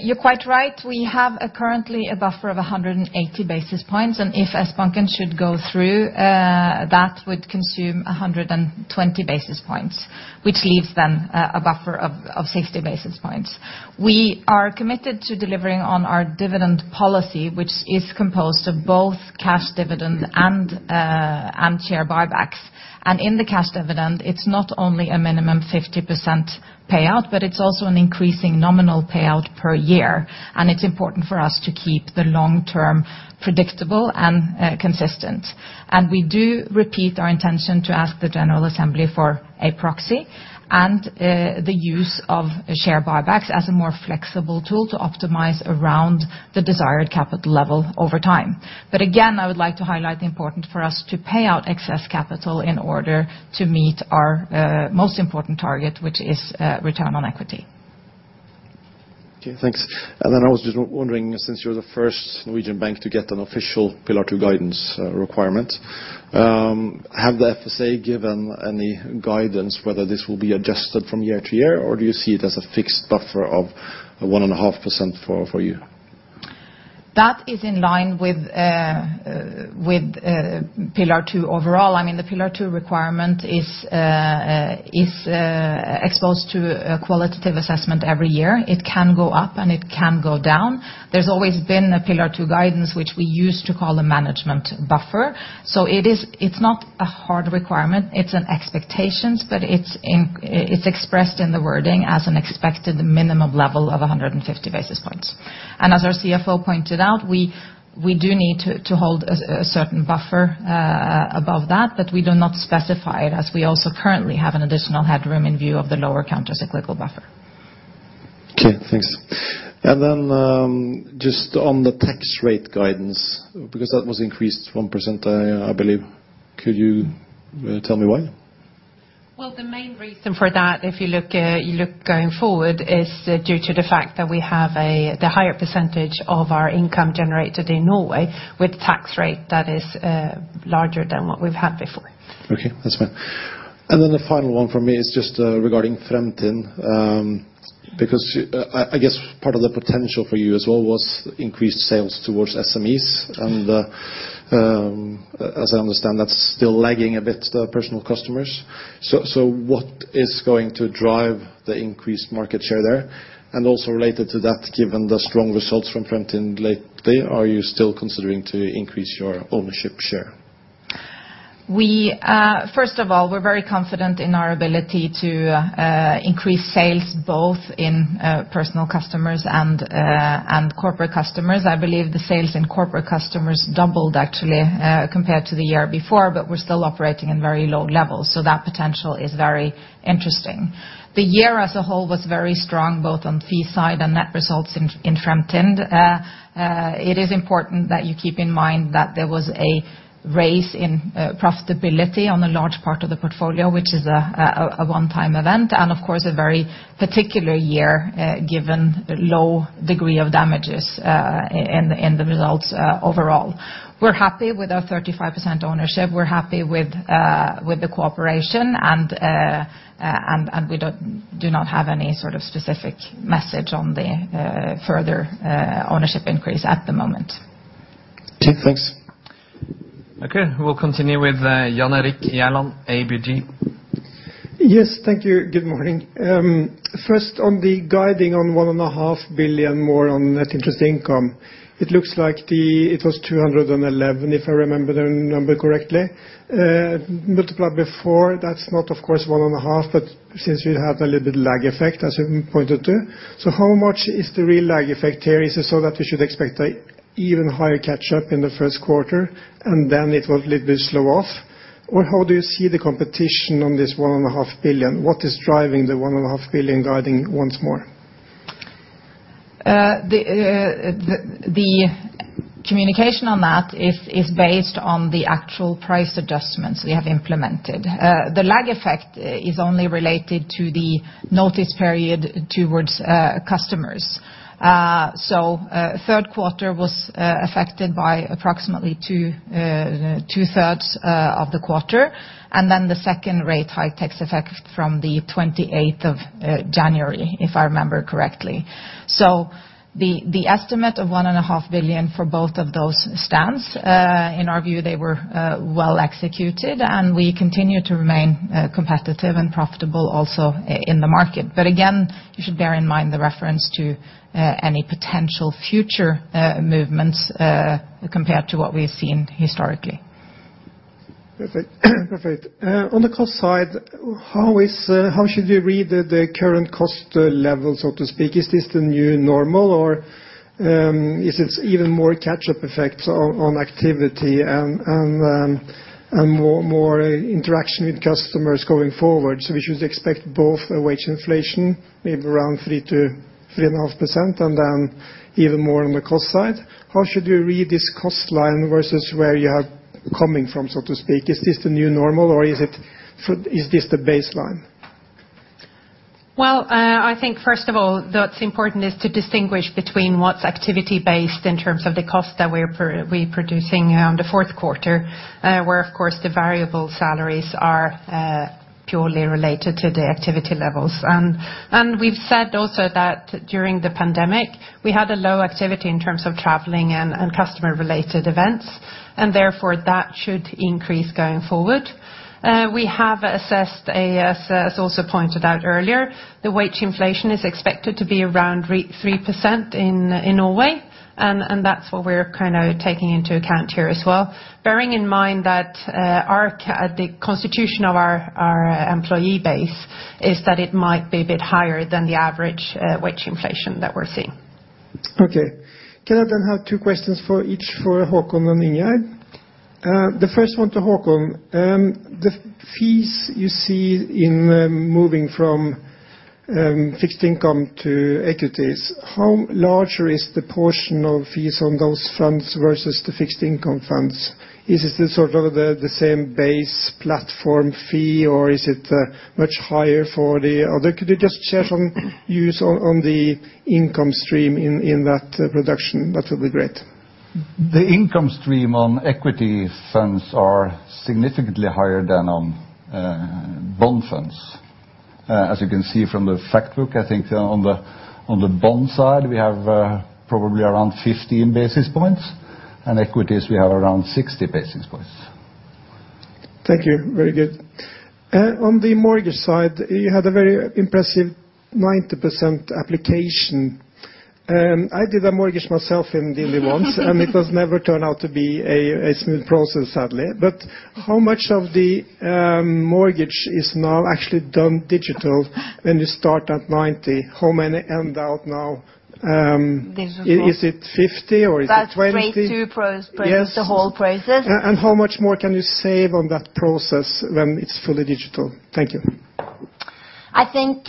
You're quite right. We have currently a buffer of 180 basis points, and if Sbanken should go through, that would consume 120 basis points, which leaves then a buffer of 60 basis points. We are committed to delivering on our dividend policy, which is composed of both cash dividend and share buybacks. In the cash dividend, it's not only a minimum 50% payout, but it's also an increasing nominal payout per year. It's important for us to keep the long term predictable and consistent. We do repeat our intention to ask the general assembly for a proxy and the use of share buybacks as a more flexible tool to optimize around the desired capital level over time. I would like to highlight the importance for us to pay out excess capital in order to meet our most important target, which is return on equity. Okay, thanks. Then I was just wondering, since you're the first Norwegian bank to get an official Pillar 2 guidance requirement, have the FSA given any guidance whether this will be adjusted from year-to-year or do you see it as a fixed buffer of 1.5% for you? That is in line with Pillar 2 overall. I mean, the Pillar 2 requirement is exposed to a qualitative assessment every year. It can go up, and it can go down. There's always been a Pillar 2 guidance, which we used to call a management buffer. So it is. It's not a hard requirement. It's an expectations, but it's expressed in the wording as an expected minimum level of 150 basis points. As our CFO pointed out, we do need to hold a certain buffer above that, but we do not specify it as we also currently have an additional headroom in view of the lower countercyclical buffer. Okay, thanks. Just on the tax rate guidance, because that was increased 1%, I believe. Could you tell me why? Well, the main reason for that, if you look going forward, is due to the fact that we have a higher percentage of our income generated in Norway with a tax rate that is larger than what we've had before. Okay, that's fine. Then the final one for me is just regarding Fremtind, because I guess part of the potential for you as well was increased sales towards SMEs. And, as I understand, that's still lagging a bit, the personal customers. So what is going to drive the increased market share there? And also related to that, given the strong results from Fremtind lately, are you still considering to increase your ownership share? First of all, we're very confident in our ability to increase sales both in personal customers and corporate customers. I believe the sales in corporate customers doubled actually compared to the year before, but we're still operating in very low levels, so that potential is very interesting. The year as a whole was very strong, both on fee side and net results in Fremtind. It is important that you keep in mind that there was a rise in profitability on a large part of the portfolio, which is a one-time event and, of course, a very particular year given low degree of damages in the results overall. We're happy with our 35% ownership. We're happy with the cooperation, and we do not have any sort of specific message on the further ownership increase at the moment. Okay, thanks. Okay. We'll continue with Jan Erik Gjerland, ABG. Yes, thank you. Good morning. First on the guidance on 1.5 billion more on net interest income. It looks like it was 211, if I remember the number correctly. Multiple before, that's not of course 1.5 billion, but since we've had a little bit lag effect, as you pointed to. How much is the real lag effect here? Is it so that we should expect an even higher catch-up in the first quarter, and then it will little bit slow down? How do you see the composition on this 1.5 billion? What is driving the 1.5 billion guidance once more? The communication on that is based on the actual price adjustments we have implemented. The lag effect is only related to the notice period towards customers. Third quarter was affected by approximately 2/3 of the quarter, and then the second rate hike takes effect from the 28th of January, if I remember correctly. The estimate of 1.5 billion for both of those stands. In our view, they were well executed, and we continue to remain competitive and profitable also in the market. Again, you should bear in mind the reference to any potential future movements compared to what we've seen historically. Perfect. On the cost side, how should we read the current cost level, so to speak? Is this the new normal or is it even more catch-up effects on activity and more interaction with customers going forward? We should expect both a wage inflation, maybe around 3%-3.5%, and then even more on the cost side. How should we read this cost line versus where you are coming from, so to speak? Is this the new normal or is this the baseline? I think first of all that's important is to distinguish between what's activity based in terms of the cost that we're producing on the fourth quarter, where of course the variable salaries are purely related to the activity levels. We've said also that during the pandemic we had a low activity in terms of traveling and customer related events and therefore that should increase going forward. We have assessed, as also pointed out earlier, the wage inflation is expected to be around 3% in Norway and that's what we're kind of taking into account here as well. Bearing in mind that the constitution of our employee base is that it might be a bit higher than the average wage inflation that we're seeing. Okay. Can I then have two questions for each for Håkon and Ingjerd? The first one to Håkon. The fees you see in moving from fixed income to equities, how much larger is the portion of fees on those funds versus the fixed income funds? Is it sort of the same base platform fee or is it much higher for the other? Could you just share some views on the income stream in that production? That would be great. The income stream on equity funds are significantly higher than on bond funds. As you can see from the fact book, I think on the bond side, we have probably around 15 basis points, and equities we have around 60 basis points. Thank you. Very good. On the mortgage side, you had a very impressive 90% application. I did a mortgage myself in DNB once, and it never turned out to be a smooth process, sadly. How much of the mortgage is now actually done digital when you start at 90%, how many end out now? Digital. Is it 50% or is it 20%? That's straight to pros- Yes. ....the whole process. How much more can you save on that process when it's fully digital? Thank you. I think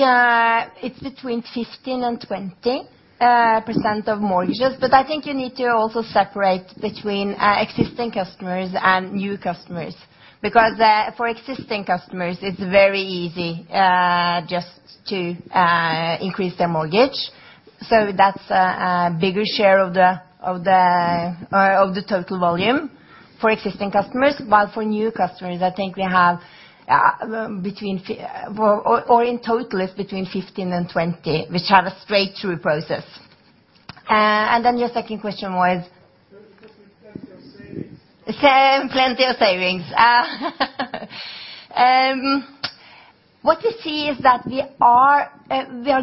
it's between 15%-20% of mortgages, but I think you need to also separate between existing customers and new customers. Because for existing customers it's very easy just to increase their mortgage, so that's a bigger share of the total volume for existing customers. For new customers, I think we have in total it's between 15% and 20% which have a straight-through process. Your second question was? There could be plenty of savings. Plenty of savings. What you see is that we are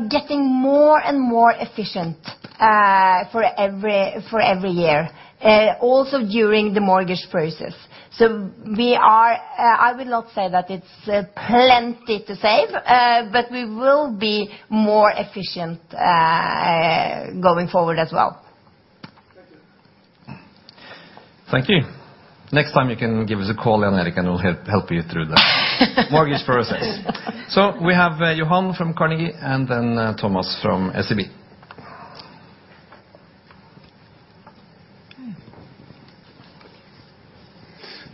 getting more and more efficient for every year, also during the mortgage process. I will not say that it's plenty to save, but we will be more efficient going forward as well. Thank you. Thank you. Next time you can give us a call, Jan-Erik, and we'll help you through the mortgage process. We have Johan from Carnegie and then Thomas from SEB.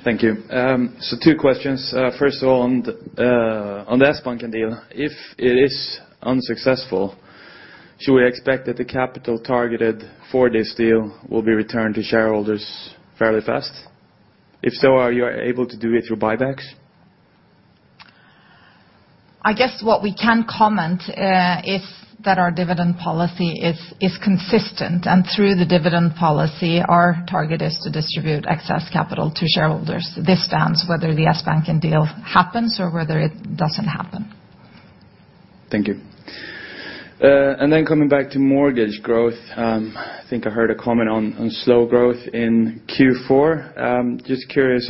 Thank you. Two questions. First of all on the Sbanken deal, if it is unsuccessful, should we expect that the capital targeted for this deal will be returned to shareholders fairly fast? If so, are you able to do it through buybacks? I guess what we can comment is that our dividend policy is consistent, and through the dividend policy, our target is to distribute excess capital to shareholders. This stands whether the Sbanken deal happens or whether it doesn't happen. Thank you. And then coming back to mortgage growth, I think I heard a comment on slow growth in Q4. Just curious,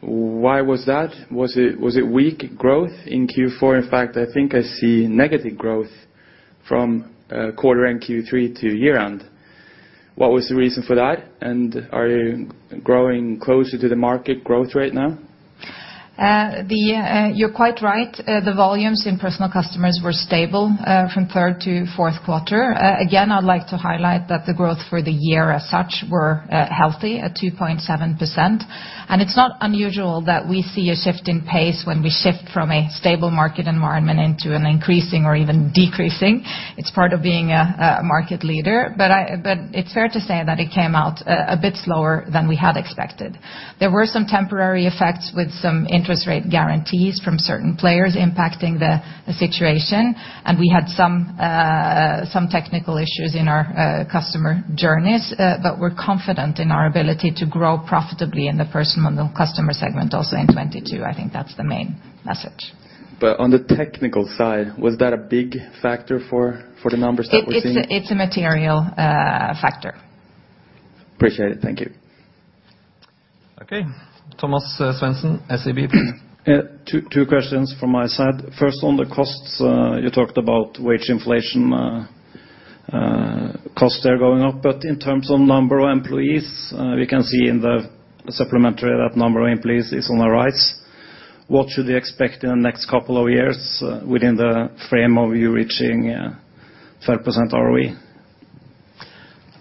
why was that? Was it weak growth in Q4? In fact, I think I see negative growth from quarter-end Q3 to year-end. What was the reason for that, and are you growing closer to the market growth rate now? You're quite right. The volumes in personal customers were stable from third to fourth quarter. Again, I'd like to highlight that the growth for the year as such were healthy at 2.7%, and it's not unusual that we see a shift in pace when we shift from a stable market environment into an increasing or even decreasing. It's part of being a market leader. It's fair to say that it came out a bit slower than we had expected. There were some temporary effects with some interest rate guarantees from certain players impacting the situation, and we had some technical issues in our customer journeys. We're confident in our ability to grow profitably in the personal customer segment also in 2022. I think that's the main message. On the technical side, was that a big factor for the numbers that we're seeing? It's a material factor. Appreciate it. Thank you. Okay. Thomas Svendsen, SEB. Yeah, two questions from my side. First, on the costs, you talked about wage inflation, costs there going up, but in terms of number of employees, we can see in the supplementary that number of employees is on the rise. What should we expect in the next couple of years within the frame of you reaching 12% ROE?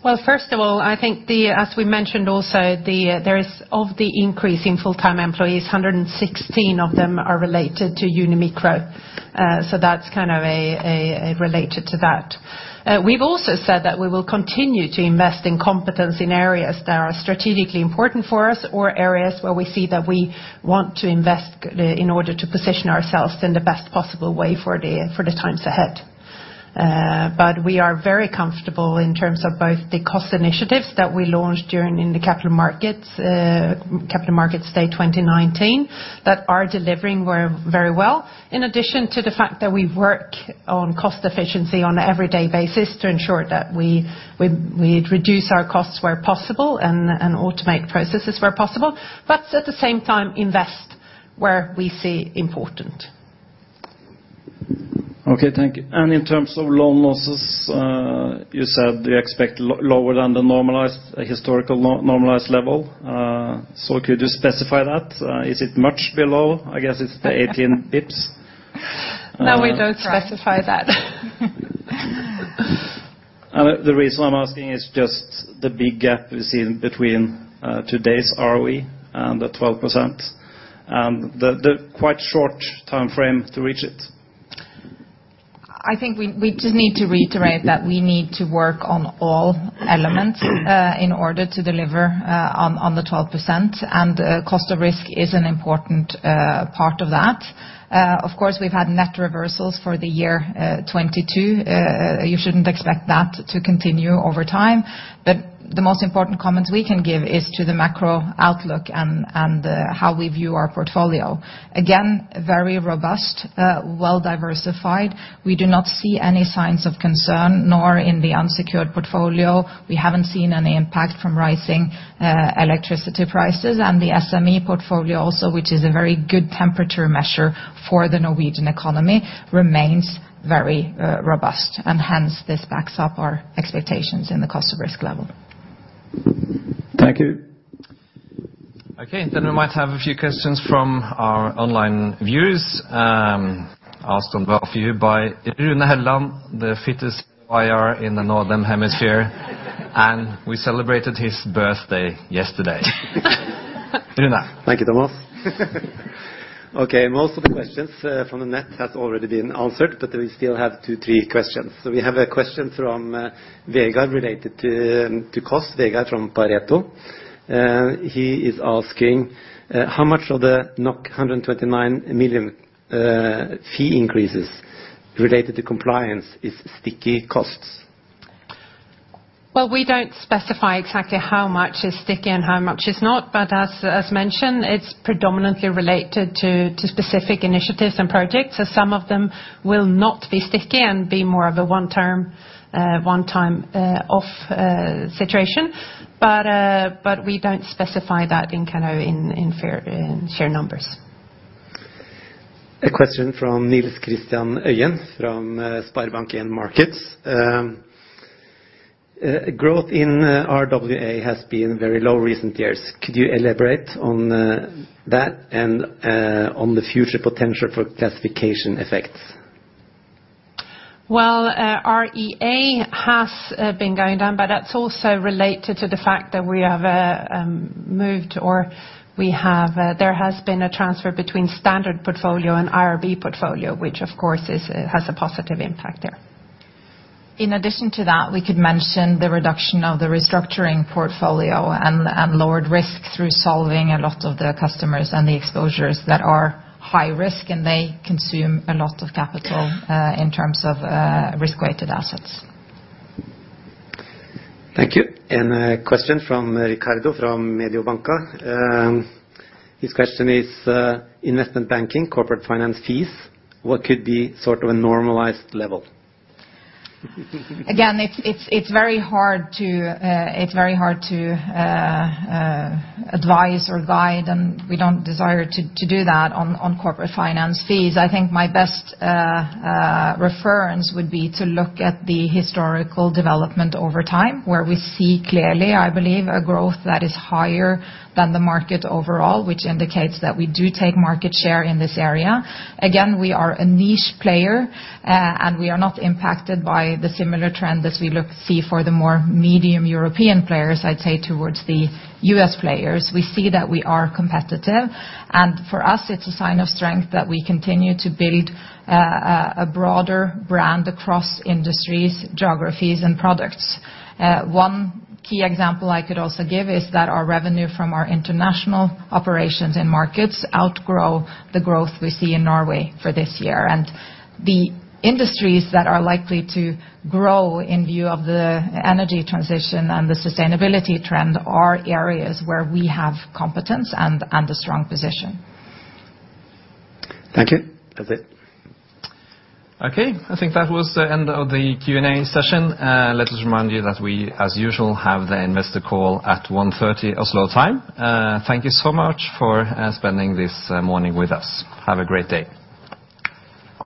Well, first of all, I think, as we mentioned also, of the increase in full-time employees, 116 of them are related to Uni Micro. So that's kind of a related to that. We've also said that we will continue to invest in competence in areas that are strategically important for us or areas where we see that we want to invest in order to position ourselves in the best possible way for the times ahead. We are very comfortable in terms of both the cost initiatives that we launched during the Capital Markets Day 2019, that are delivering very, very well, in addition to the fact that we work on cost efficiency on an every day basis to ensure that we reduce our costs where possible and automate processes where possible, but at the same time invest where we see as important. Okay, thank you. In terms of loan losses, you said you expect lower than the normalized, historical normalized level. Could you specify that? Is it much below? I guess it's the 18 basis points. No, we don't specify that. The reason I'm asking is just the big gap we see between today's ROE and the 12%, and the quite short timeframe to reach it. I think we just need to reiterate that we need to work on all elements in order to deliver on the 12%, and cost of risk is an important part of that. Of course, we've had net reversals for the year 2022. You shouldn't expect that to continue over time. The most important comments we can give is to the macro outlook and how we view our portfolio. Again, very robust, well diversified. We do not see any signs of concern, nor in the unsecured portfolio we haven't seen any impact from rising electricity prices. The SME portfolio also, which is a very good temperature measure for the Norwegian economy, remains very robust, and hence this backs up our expectations in the cost of risk level. Thank you. Okay, we might have a few questions from our online viewers, asked on behalf of you by Rune Helland, the fittest IR in the Northern Hemisphere. We celebrated his birthday yesterday. Rune. Thank you, Thomas. Okay, most of the questions from the net has already been answered, but we still have two, three questions. We have a question from Vegard related to cost. Vegard from Pareto. He is asking how much of the 129 million fee increases related to compliance is sticky costs? Well, we don't specify exactly how much is sticky and how much is not, but as mentioned, it's predominantly related to specific initiatives and projects, so some of them will not be sticky and be more of a one-off situation. We don't specify that in kind of in figures in sheer numbers. A question from Nils Christian Øyen from SpareBank 1 Markets. Growth in RWA has been very low recent years. Could you elaborate on that and on the future potential for classification effects? Well, RWA has been going down, but that's also related to the fact that there has been a transfer between standard portfolio and IRB portfolio, which of course has a positive impact there. In addition to that, we could mention the reduction of the restructuring portfolio and lowered risk through resolving a lot of the customers and the exposures that are high risk, and they consume a lot of capital in terms of risk-weighted assets. Thank you. A question from Riccardo from Mediobanca. His question is, investment banking, corporate finance fees, what could be sort of a normalized level? Again, it's very hard to advise or guide, and we don't desire to do that on corporate finance fees. I think my best reference would be to look at the historical development over time, where we see clearly, I believe, a growth that is higher than the market overall, which indicates that we do take market share in this area. Again, we are a niche player, and we are not impacted by the similar trend as we see for the more medium European players, I'd say towards the U.S. players. We see that we are competitive, and for us it's a sign of strength that we continue to build a broader brand across industries, geographies, and products. One key example I could also give is that our revenue from our international operations and markets outgrow the growth we see in Norway for this year. The industries that are likely to grow in view of the energy transition and the sustainability trend are areas where we have competence and a strong position. Thank you. That's it. Okay, I think that was the end of the Q&A session. Let us remind you that we, as usual, have the investor call at 1:30 P.M. Oslo time. Thank you so much for spending this morning with us. Have a great day.